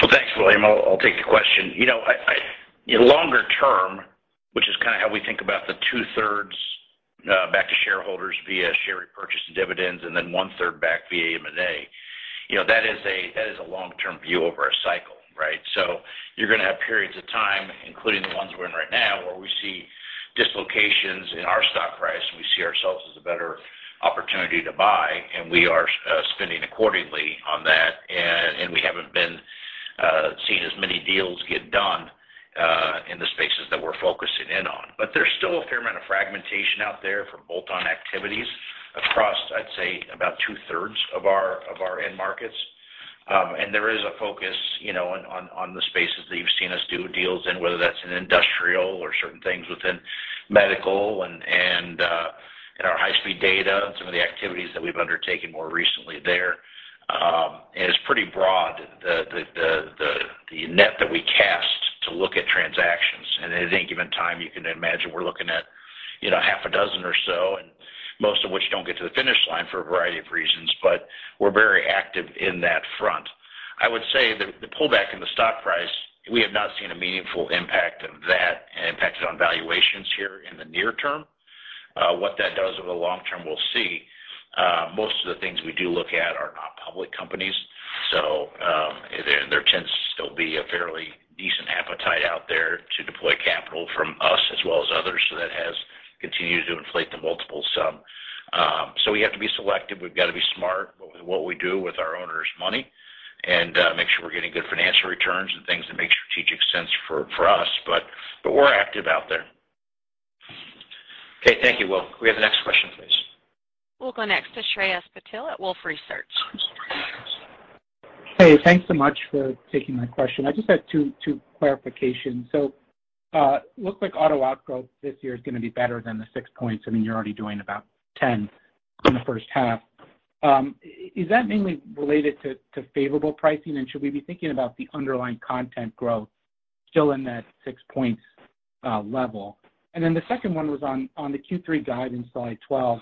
Well, thanks, William. I'll take the question. You know, longer term, which is kind of how we think about the two-thirds back to shareholders via share repurchase and dividends and then one-third back via M&A, you know, that is a long-term view over a cycle, right? You're gonna have periods of time, including the ones we're in right now, where we see dislocations in our stock price, and we see ourselves as a better opportunity to buy, and we are spending accordingly on that. We haven't been seeing as many deals get done in the spaces that we're focusing in on. There's still a fair amount of fragmentation out there for bolt-on activities across, I'd say, about 2/3 of our end markets. There is a focus, you know, on the spaces that you've seen us do deals in, whether that's in industrial or certain things within medical and in our high-speed data and some of the activities that we've undertaken more recently there. It's pretty broad, the net that we cast to look at transactions. At any given time, you can imagine we're looking at, you know, 6 or so, and most of which don't get to the finish line for a variety of reasons. We're very active in that front. I would say the pullback in the stock price, we have not seen a meaningful impact on valuations here in the near term. What that does over the long term, we'll see. Most of the things we do look at are not public companies, so there tends to still be a fairly decent appetite out there to deploy capital from us as well as others. That has continued to inflate the multiple some. We have to be selective. We've got to be smart with what we do with our owners' money and, make sure we're getting good financial returns and things that make strategic sense for us. We're active out there. Okay. Thank you, Will. Can we have the next question, please? We'll go next to Shreyas Patil at Wolfe Research. Hey, thanks so much for taking my question. I just had two clarifications. Looks like auto outgrow this year is gonna be better than the 6%. I mean, you're already doing about 10% in the first half. Is that mainly related to favorable pricing? And should we be thinking about the underlying content growth still in that 6% level? And then the second one was on the Q3 guide in slide 12.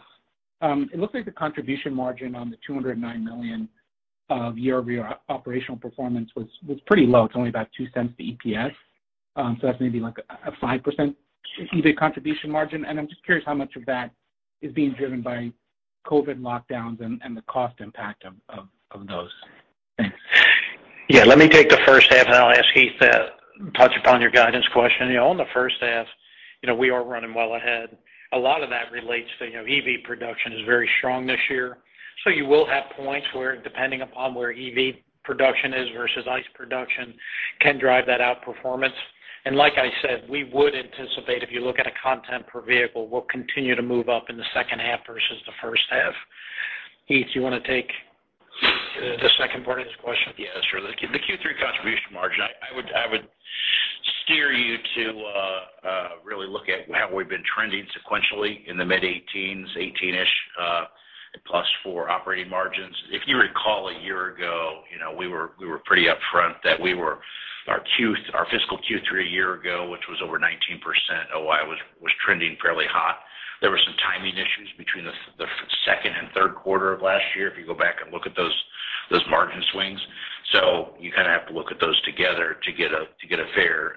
It looks like the contribution margin on the $209 million of year-over-year operational performance was pretty low. It's only about $0.02 to EPS. So that's maybe like a 5% EV contribution margin. And I'm just curious how much of that is being driven by COVID lockdowns and the cost impact of those. Thanks. Yeah. Let me take the first half, and I'll ask Heath to touch upon your guidance question. You know, on the first half, you know, we are running well ahead. A lot of that relates to, you know, EV production is very strong this year. So you will have points where depending upon where EV production is versus ICE production can drive that outperformance. Like I said, we would anticipate if you look at a content per vehicle, we'll continue to move up in the second half versus the first half. Heath, you wanna take the second part of this question? Yeah, sure. The Q3 contribution margin, I would steer you to really look at how we've been trending sequentially in the mid-18s, 18-ish% plus for operating margins. If you recall a year ago, we were pretty upfront that our fiscal Q3 a year ago, which was over 19% OI, was trending fairly hot. There were some timing issues between the second and third quarter of last year if you go back and look at those margin swings. You kind of have to look at those together to get a fair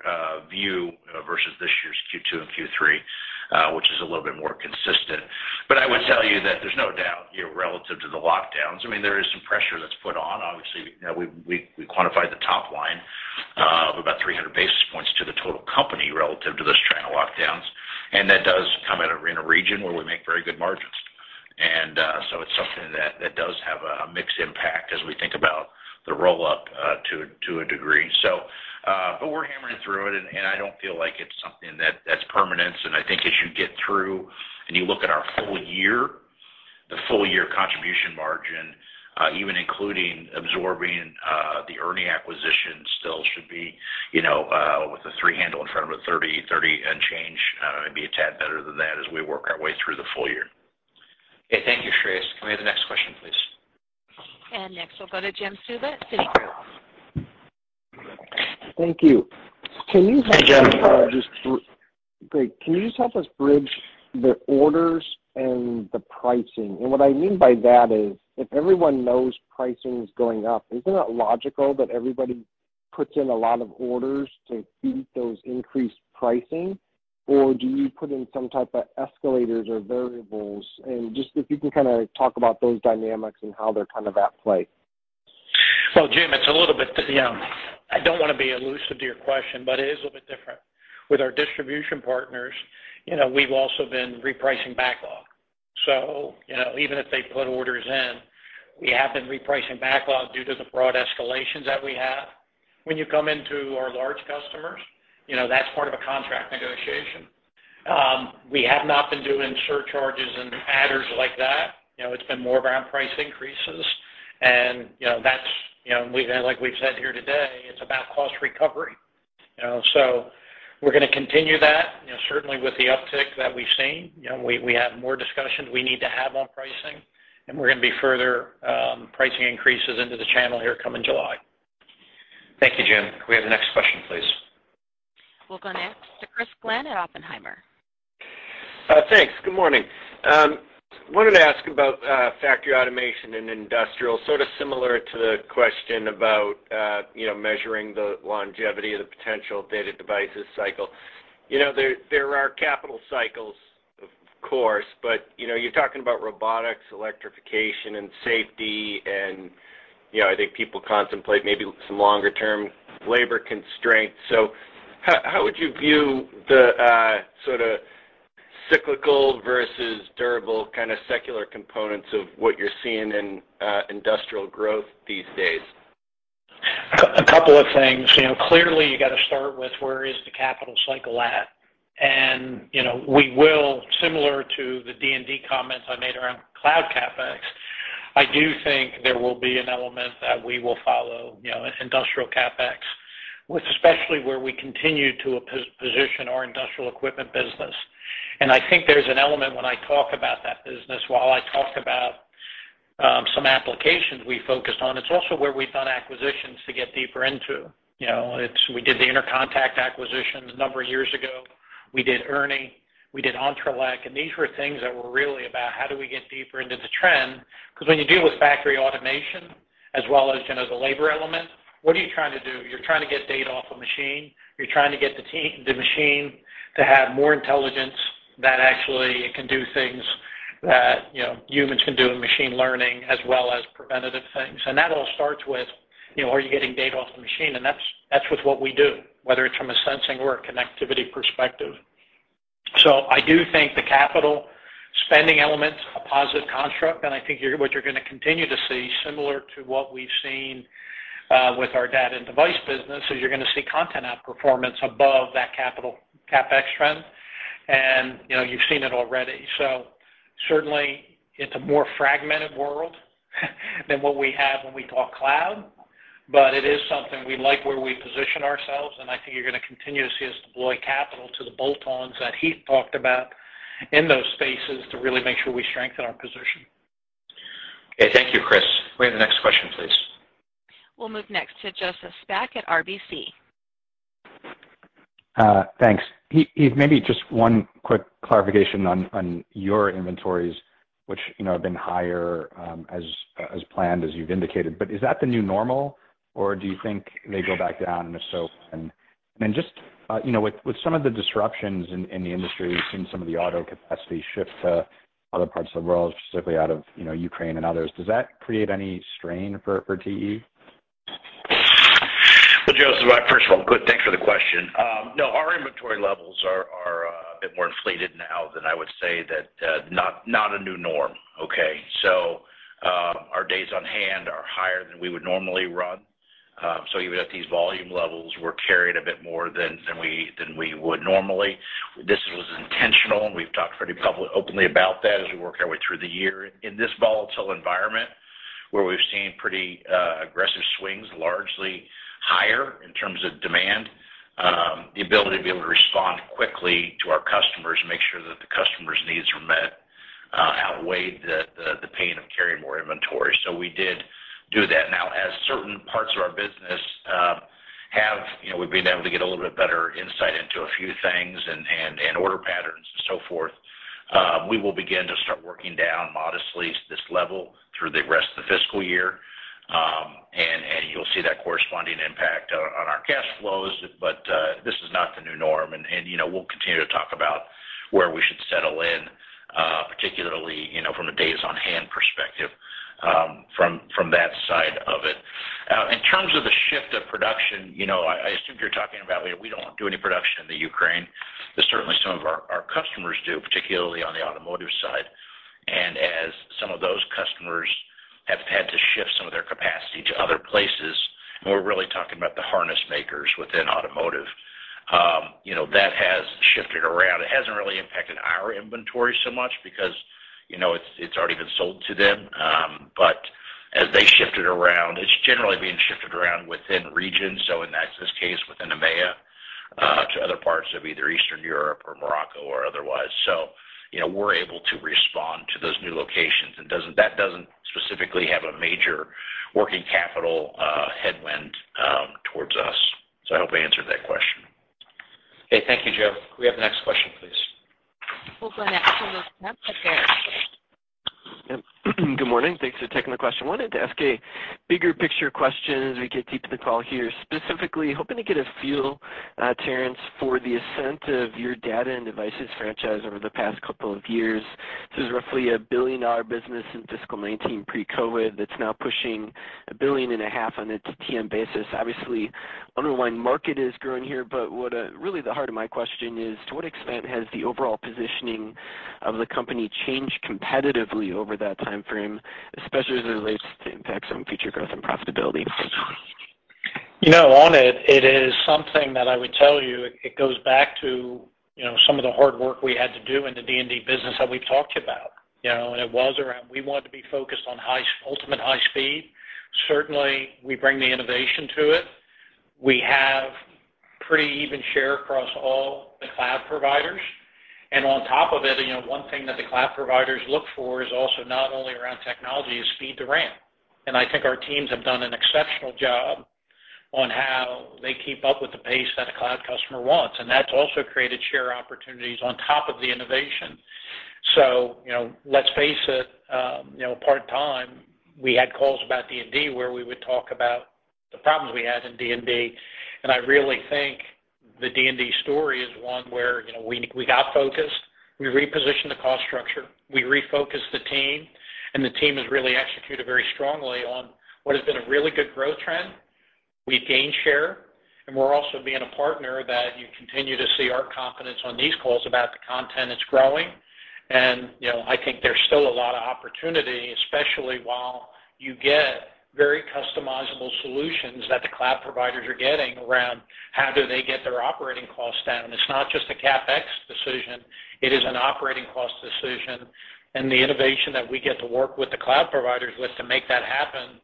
view versus this year's Q2 and Q3, which is a little bit more consistent. I would tell you that there's no doubt, you know, relative to the lockdowns, I mean, there is some pressure that's put on. Obviously, you know, we quantified the top line of about 300 basis points to the total company relative to those China lockdowns. That does come in a region where we make very good margins. It's something that does have a mixed impact as we think about the roll-up to a degree. We're hammering through it, and I don't feel like it's something that's permanence. I think as you get through and you look at our full year, the full year contribution margin even including absorbing the ERNI acquisition still should be, you know, with a three handle in front of it, 30 and change. It may be a tad better than that as we work our way through the full year. Okay. Thank you, Shreyas. Can we have the next question, please? Next, we'll go to Jim Suva at Citigroup. Thank you. Hey, Jim. Great. Can you just help us bridge the orders and the pricing? What I mean by that is, if everyone knows pricing is going up, isn't that logical that everybody puts in a lot of orders to beat those increased pricing? Or do you put in some type of escalators or variables? Just if you can kinda talk about those dynamics and how they're kind of at play. Well, Jim, it's a little bit, you know, I don't wanna be evasive to your question, but it is a bit different. With our distribution partners, you know, we've also been repricing backlog. You know, even if they put orders in, we have been repricing backlogs due to the broad escalations that we have. When you come into our large customers, you know, that's part of a contract negotiation. We have not been doing surcharges and adders like that. You know, it's been more around price increases. You know, that's, you know, like we've said here today, it's about cost recovery, you know. We're gonna continue that, you know, certainly with the uptick that we've seen. You know, we have more discussions we need to have on pricing, and we're gonna be further pricing increases into the channel here come in July. Thank you, Jim. Can we have the next question, please? We'll go next to Christopher Glynn at Oppenheimer. Thanks. Good morning. Wanted to ask about factory automation and industrial, sort of similar to the question about, you know, measuring the longevity of the potential data center cycle. You know, there are capital cycles, of course, but, you know, you're talking about robotics, electrification, and safety and, you know, I think people contemplate maybe some longer term labor constraints. How would you view the sort of cyclical versus durable kind of secular components of what you're seeing in industrial growth these days? A couple of things. You know, clearly you got to start with where is the capital cycle at. You know, we will, similar to the D&D comments I made around cloud CapEx, I do think there will be an element that we will follow, you know, industrial CapEx, with especially where we continue to position our industrial equipment business. I think there's an element when I talk about that business, while I talk about some applications we focused on, it's also where we've done acquisitions to get deeper into. You know, it's. We did the Intercontec acquisition a number of years ago. We did ERNI, we did ENTRELEC, and these were things that were really about how do we get deeper into the trend. Because when you deal with factory automation as well as, you know, the labor element, what are you trying to do? You're trying to get data off a machine. You're trying to get the machine to have more intelligence that actually can do things that, you know, humans can do in machine learning as well as preventative things. That all starts with, you know, are you getting data off the machine? That's with what we do, whether it's from a sensing or a connectivity perspective. I do think the capital spending element's a positive construct, and I think what you're gonna continue to see, similar to what we've seen, with our data and device business, is you're gonna see content outperformance above that capital CapEx trend. You know, you've seen it already. Certainly it's a more fragmented world than what we have when we talk cloud, but it is something we like where we position ourselves, and I think you're gonna continue to see us deploy capital to the bolt-ons that Heath talked about in those spaces to really make sure we strengthen our position. Okay. Thank you, Chris. Can we have the next question, please? We'll move next to Joseph Spak at RBC. Thanks. Heath, maybe just one quick clarification on your inventories, which, you know, have been higher, as planned, as you've indicated. Is that the new normal, or do you think they go back down? If so, when? Just, you know, with some of the disruptions in the industry, we've seen some of the auto capacity shift to other parts of the world, specifically out of, you know, Ukraine and others. Does that create any strain for TE? Well, Joseph, first of all, good. Thanks for the question. No, our inventory levels are a bit more inflated now than I would say that not a new norm, okay? Our days on hand are higher than we would normally run. Even at these volume levels, we're carrying a bit more than we would normally. This was intentional, and we've talked pretty openly about that as we work our way through the year. In this volatile environment, where we've seen pretty aggressive swings, largely higher in terms of demand, the ability to be able to respond quickly to our customers, make sure that the customer's needs are met, outweighed the pain of carrying more inventory. We did do that. Now, as certain parts of our business, you know, we've been able to get a little bit better insight into a few things and order patterns and so forth, we will begin to start working down modestly this level through the rest of the fiscal year. You'll see that corresponding impact on our cash flows. This is not the new norm. You know, we'll continue to talk about where we should settle in, particularly, you know, from a days on hand perspective, from that side of it. In terms of the shift of production, you know, I assume you're talking about we don't do any production in the Ukraine, but certainly some of our customers do, particularly on the automotive side. As some of those customers have had to shift some of their capacity to other places, and we're really talking about the harness makers within automotive, you know, that has shifted around. It hasn't really impacted our inventory so much because, you know, it's already been sold to them. But as they shifted around, it's generally being shifted around within regions, so in this case within EMEA, to other parts of either Eastern Europe or Morocco or otherwise. So, you know, we're able to respond to those new locations. That doesn't specifically have a major working capital headwind towards us. So I hope I answered that question. Okay. Thank you, Joe. Can we have the next question, please? We'll go next to [Luke Junk at BMO]. Yep. Good morning. Thanks for taking the question. Wanted to ask a bigger picture question as we get deep in the call here. Specifically hoping to get a feel, Terrence, for the ascent of your data and devices franchise over the past couple of years. This is roughly a billion-dollar business in fiscal 2019 pre-COVID that's now pushing $1.5 billion on its TTM basis. Obviously, underlying market is growing here, but what really the heart of my question is, to what extent has the overall positioning of the company changed competitively over that time frame, especially as it relates to the impacts on future growth and profitability? You know, on it is something that I would tell you, it goes back to, you know, some of the hard work we had to do in the D&D business that we've talked about. You know, it was around we wanted to be focused on ultimate high speed. Certainly, we bring the innovation to it. We have pretty even share across all the cloud providers. On top of it, you know, one thing that the cloud providers look for is also not only around technology, is speed to ramp. I think our teams have done an exceptional job on how they keep up with the pace that a cloud customer wants. That's also created share opportunities on top of the innovation. You know, let's face it, you know, in the past, we had calls about D&D where we would talk about the problems we had in D&D, and I really think the D&D story is one where, you know, we got focused, we repositioned the cost structure, we refocused the team, and the team has really executed very strongly on what has been a really good growth trend. We've gained share, and we're also being a partner that you continue to see our confidence on these calls about the content it's growing. You know, I think there's still a lot of opportunity, especially while you get very customizable solutions that the cloud providers are getting around how do they get their operating costs down. It's not just a CapEx decision, it is an operating cost decision. The innovation that we get to work with the cloud providers with to make that happen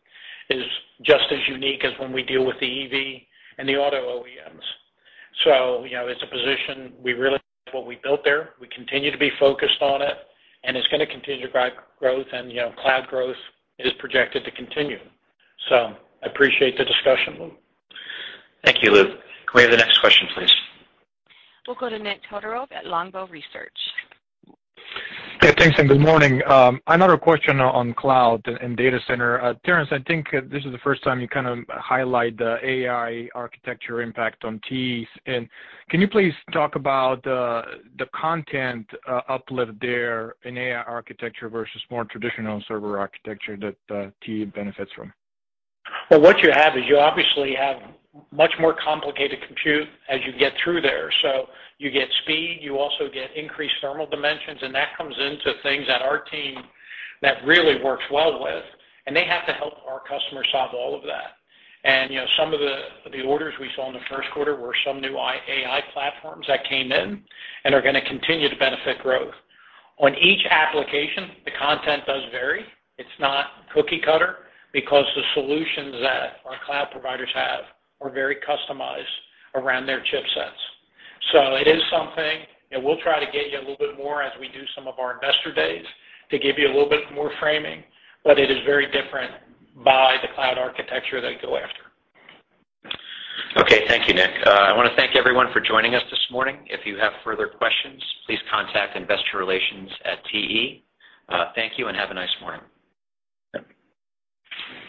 is just as unique as when we deal with the EV and the auto OEMs. You know, it's a position we really like what we built there. We continue to be focused on it, and it's gonna continue to drive growth and, you know, cloud growth is projected to continue. I appreciate the discussion, Luke. Thank you, Luke. Can we have the next question, please? We'll go to Nikolay Todorov at Longbow Research. Yeah, thanks, good morning. Another question on cloud and data center. Terrence, I think this is the first time you kind of highlight the AI architecture impact on TE. Can you please talk about the content uplift there in AI architecture versus more traditional server architecture that TE benefits from? Well, what you have is you obviously have much more complicated compute as you get through there. You get speed, you also get increased thermal dimensions, and that comes into things that our team that really works well with, and they have to help our customers solve all of that. You know, some of the orders we saw in the first quarter were some new AI platforms that came in and are gonna continue to benefit growth. On each application, the content does vary. It's not cookie cutter because the solutions that our cloud providers have are very customized around their chipsets. It is something, and we'll try to get you a little bit more as we do some of our investor days to give you a little bit more framing, but it is very different by the cloud architecture they go after. Okay. Thank you, Nick. I wanna thank everyone for joining us this morning. If you have further questions, please contact investor relations at TE. Thank you and have a nice morning.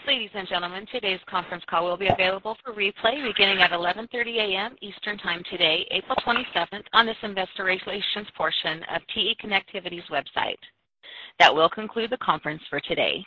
Ladies and gentlemen, today's conference call will be available for replay beginning at 11:30 A.M. Eastern time today, April 27th, on this investor relations portion of TE Connectivity's website. That will conclude the conference for today.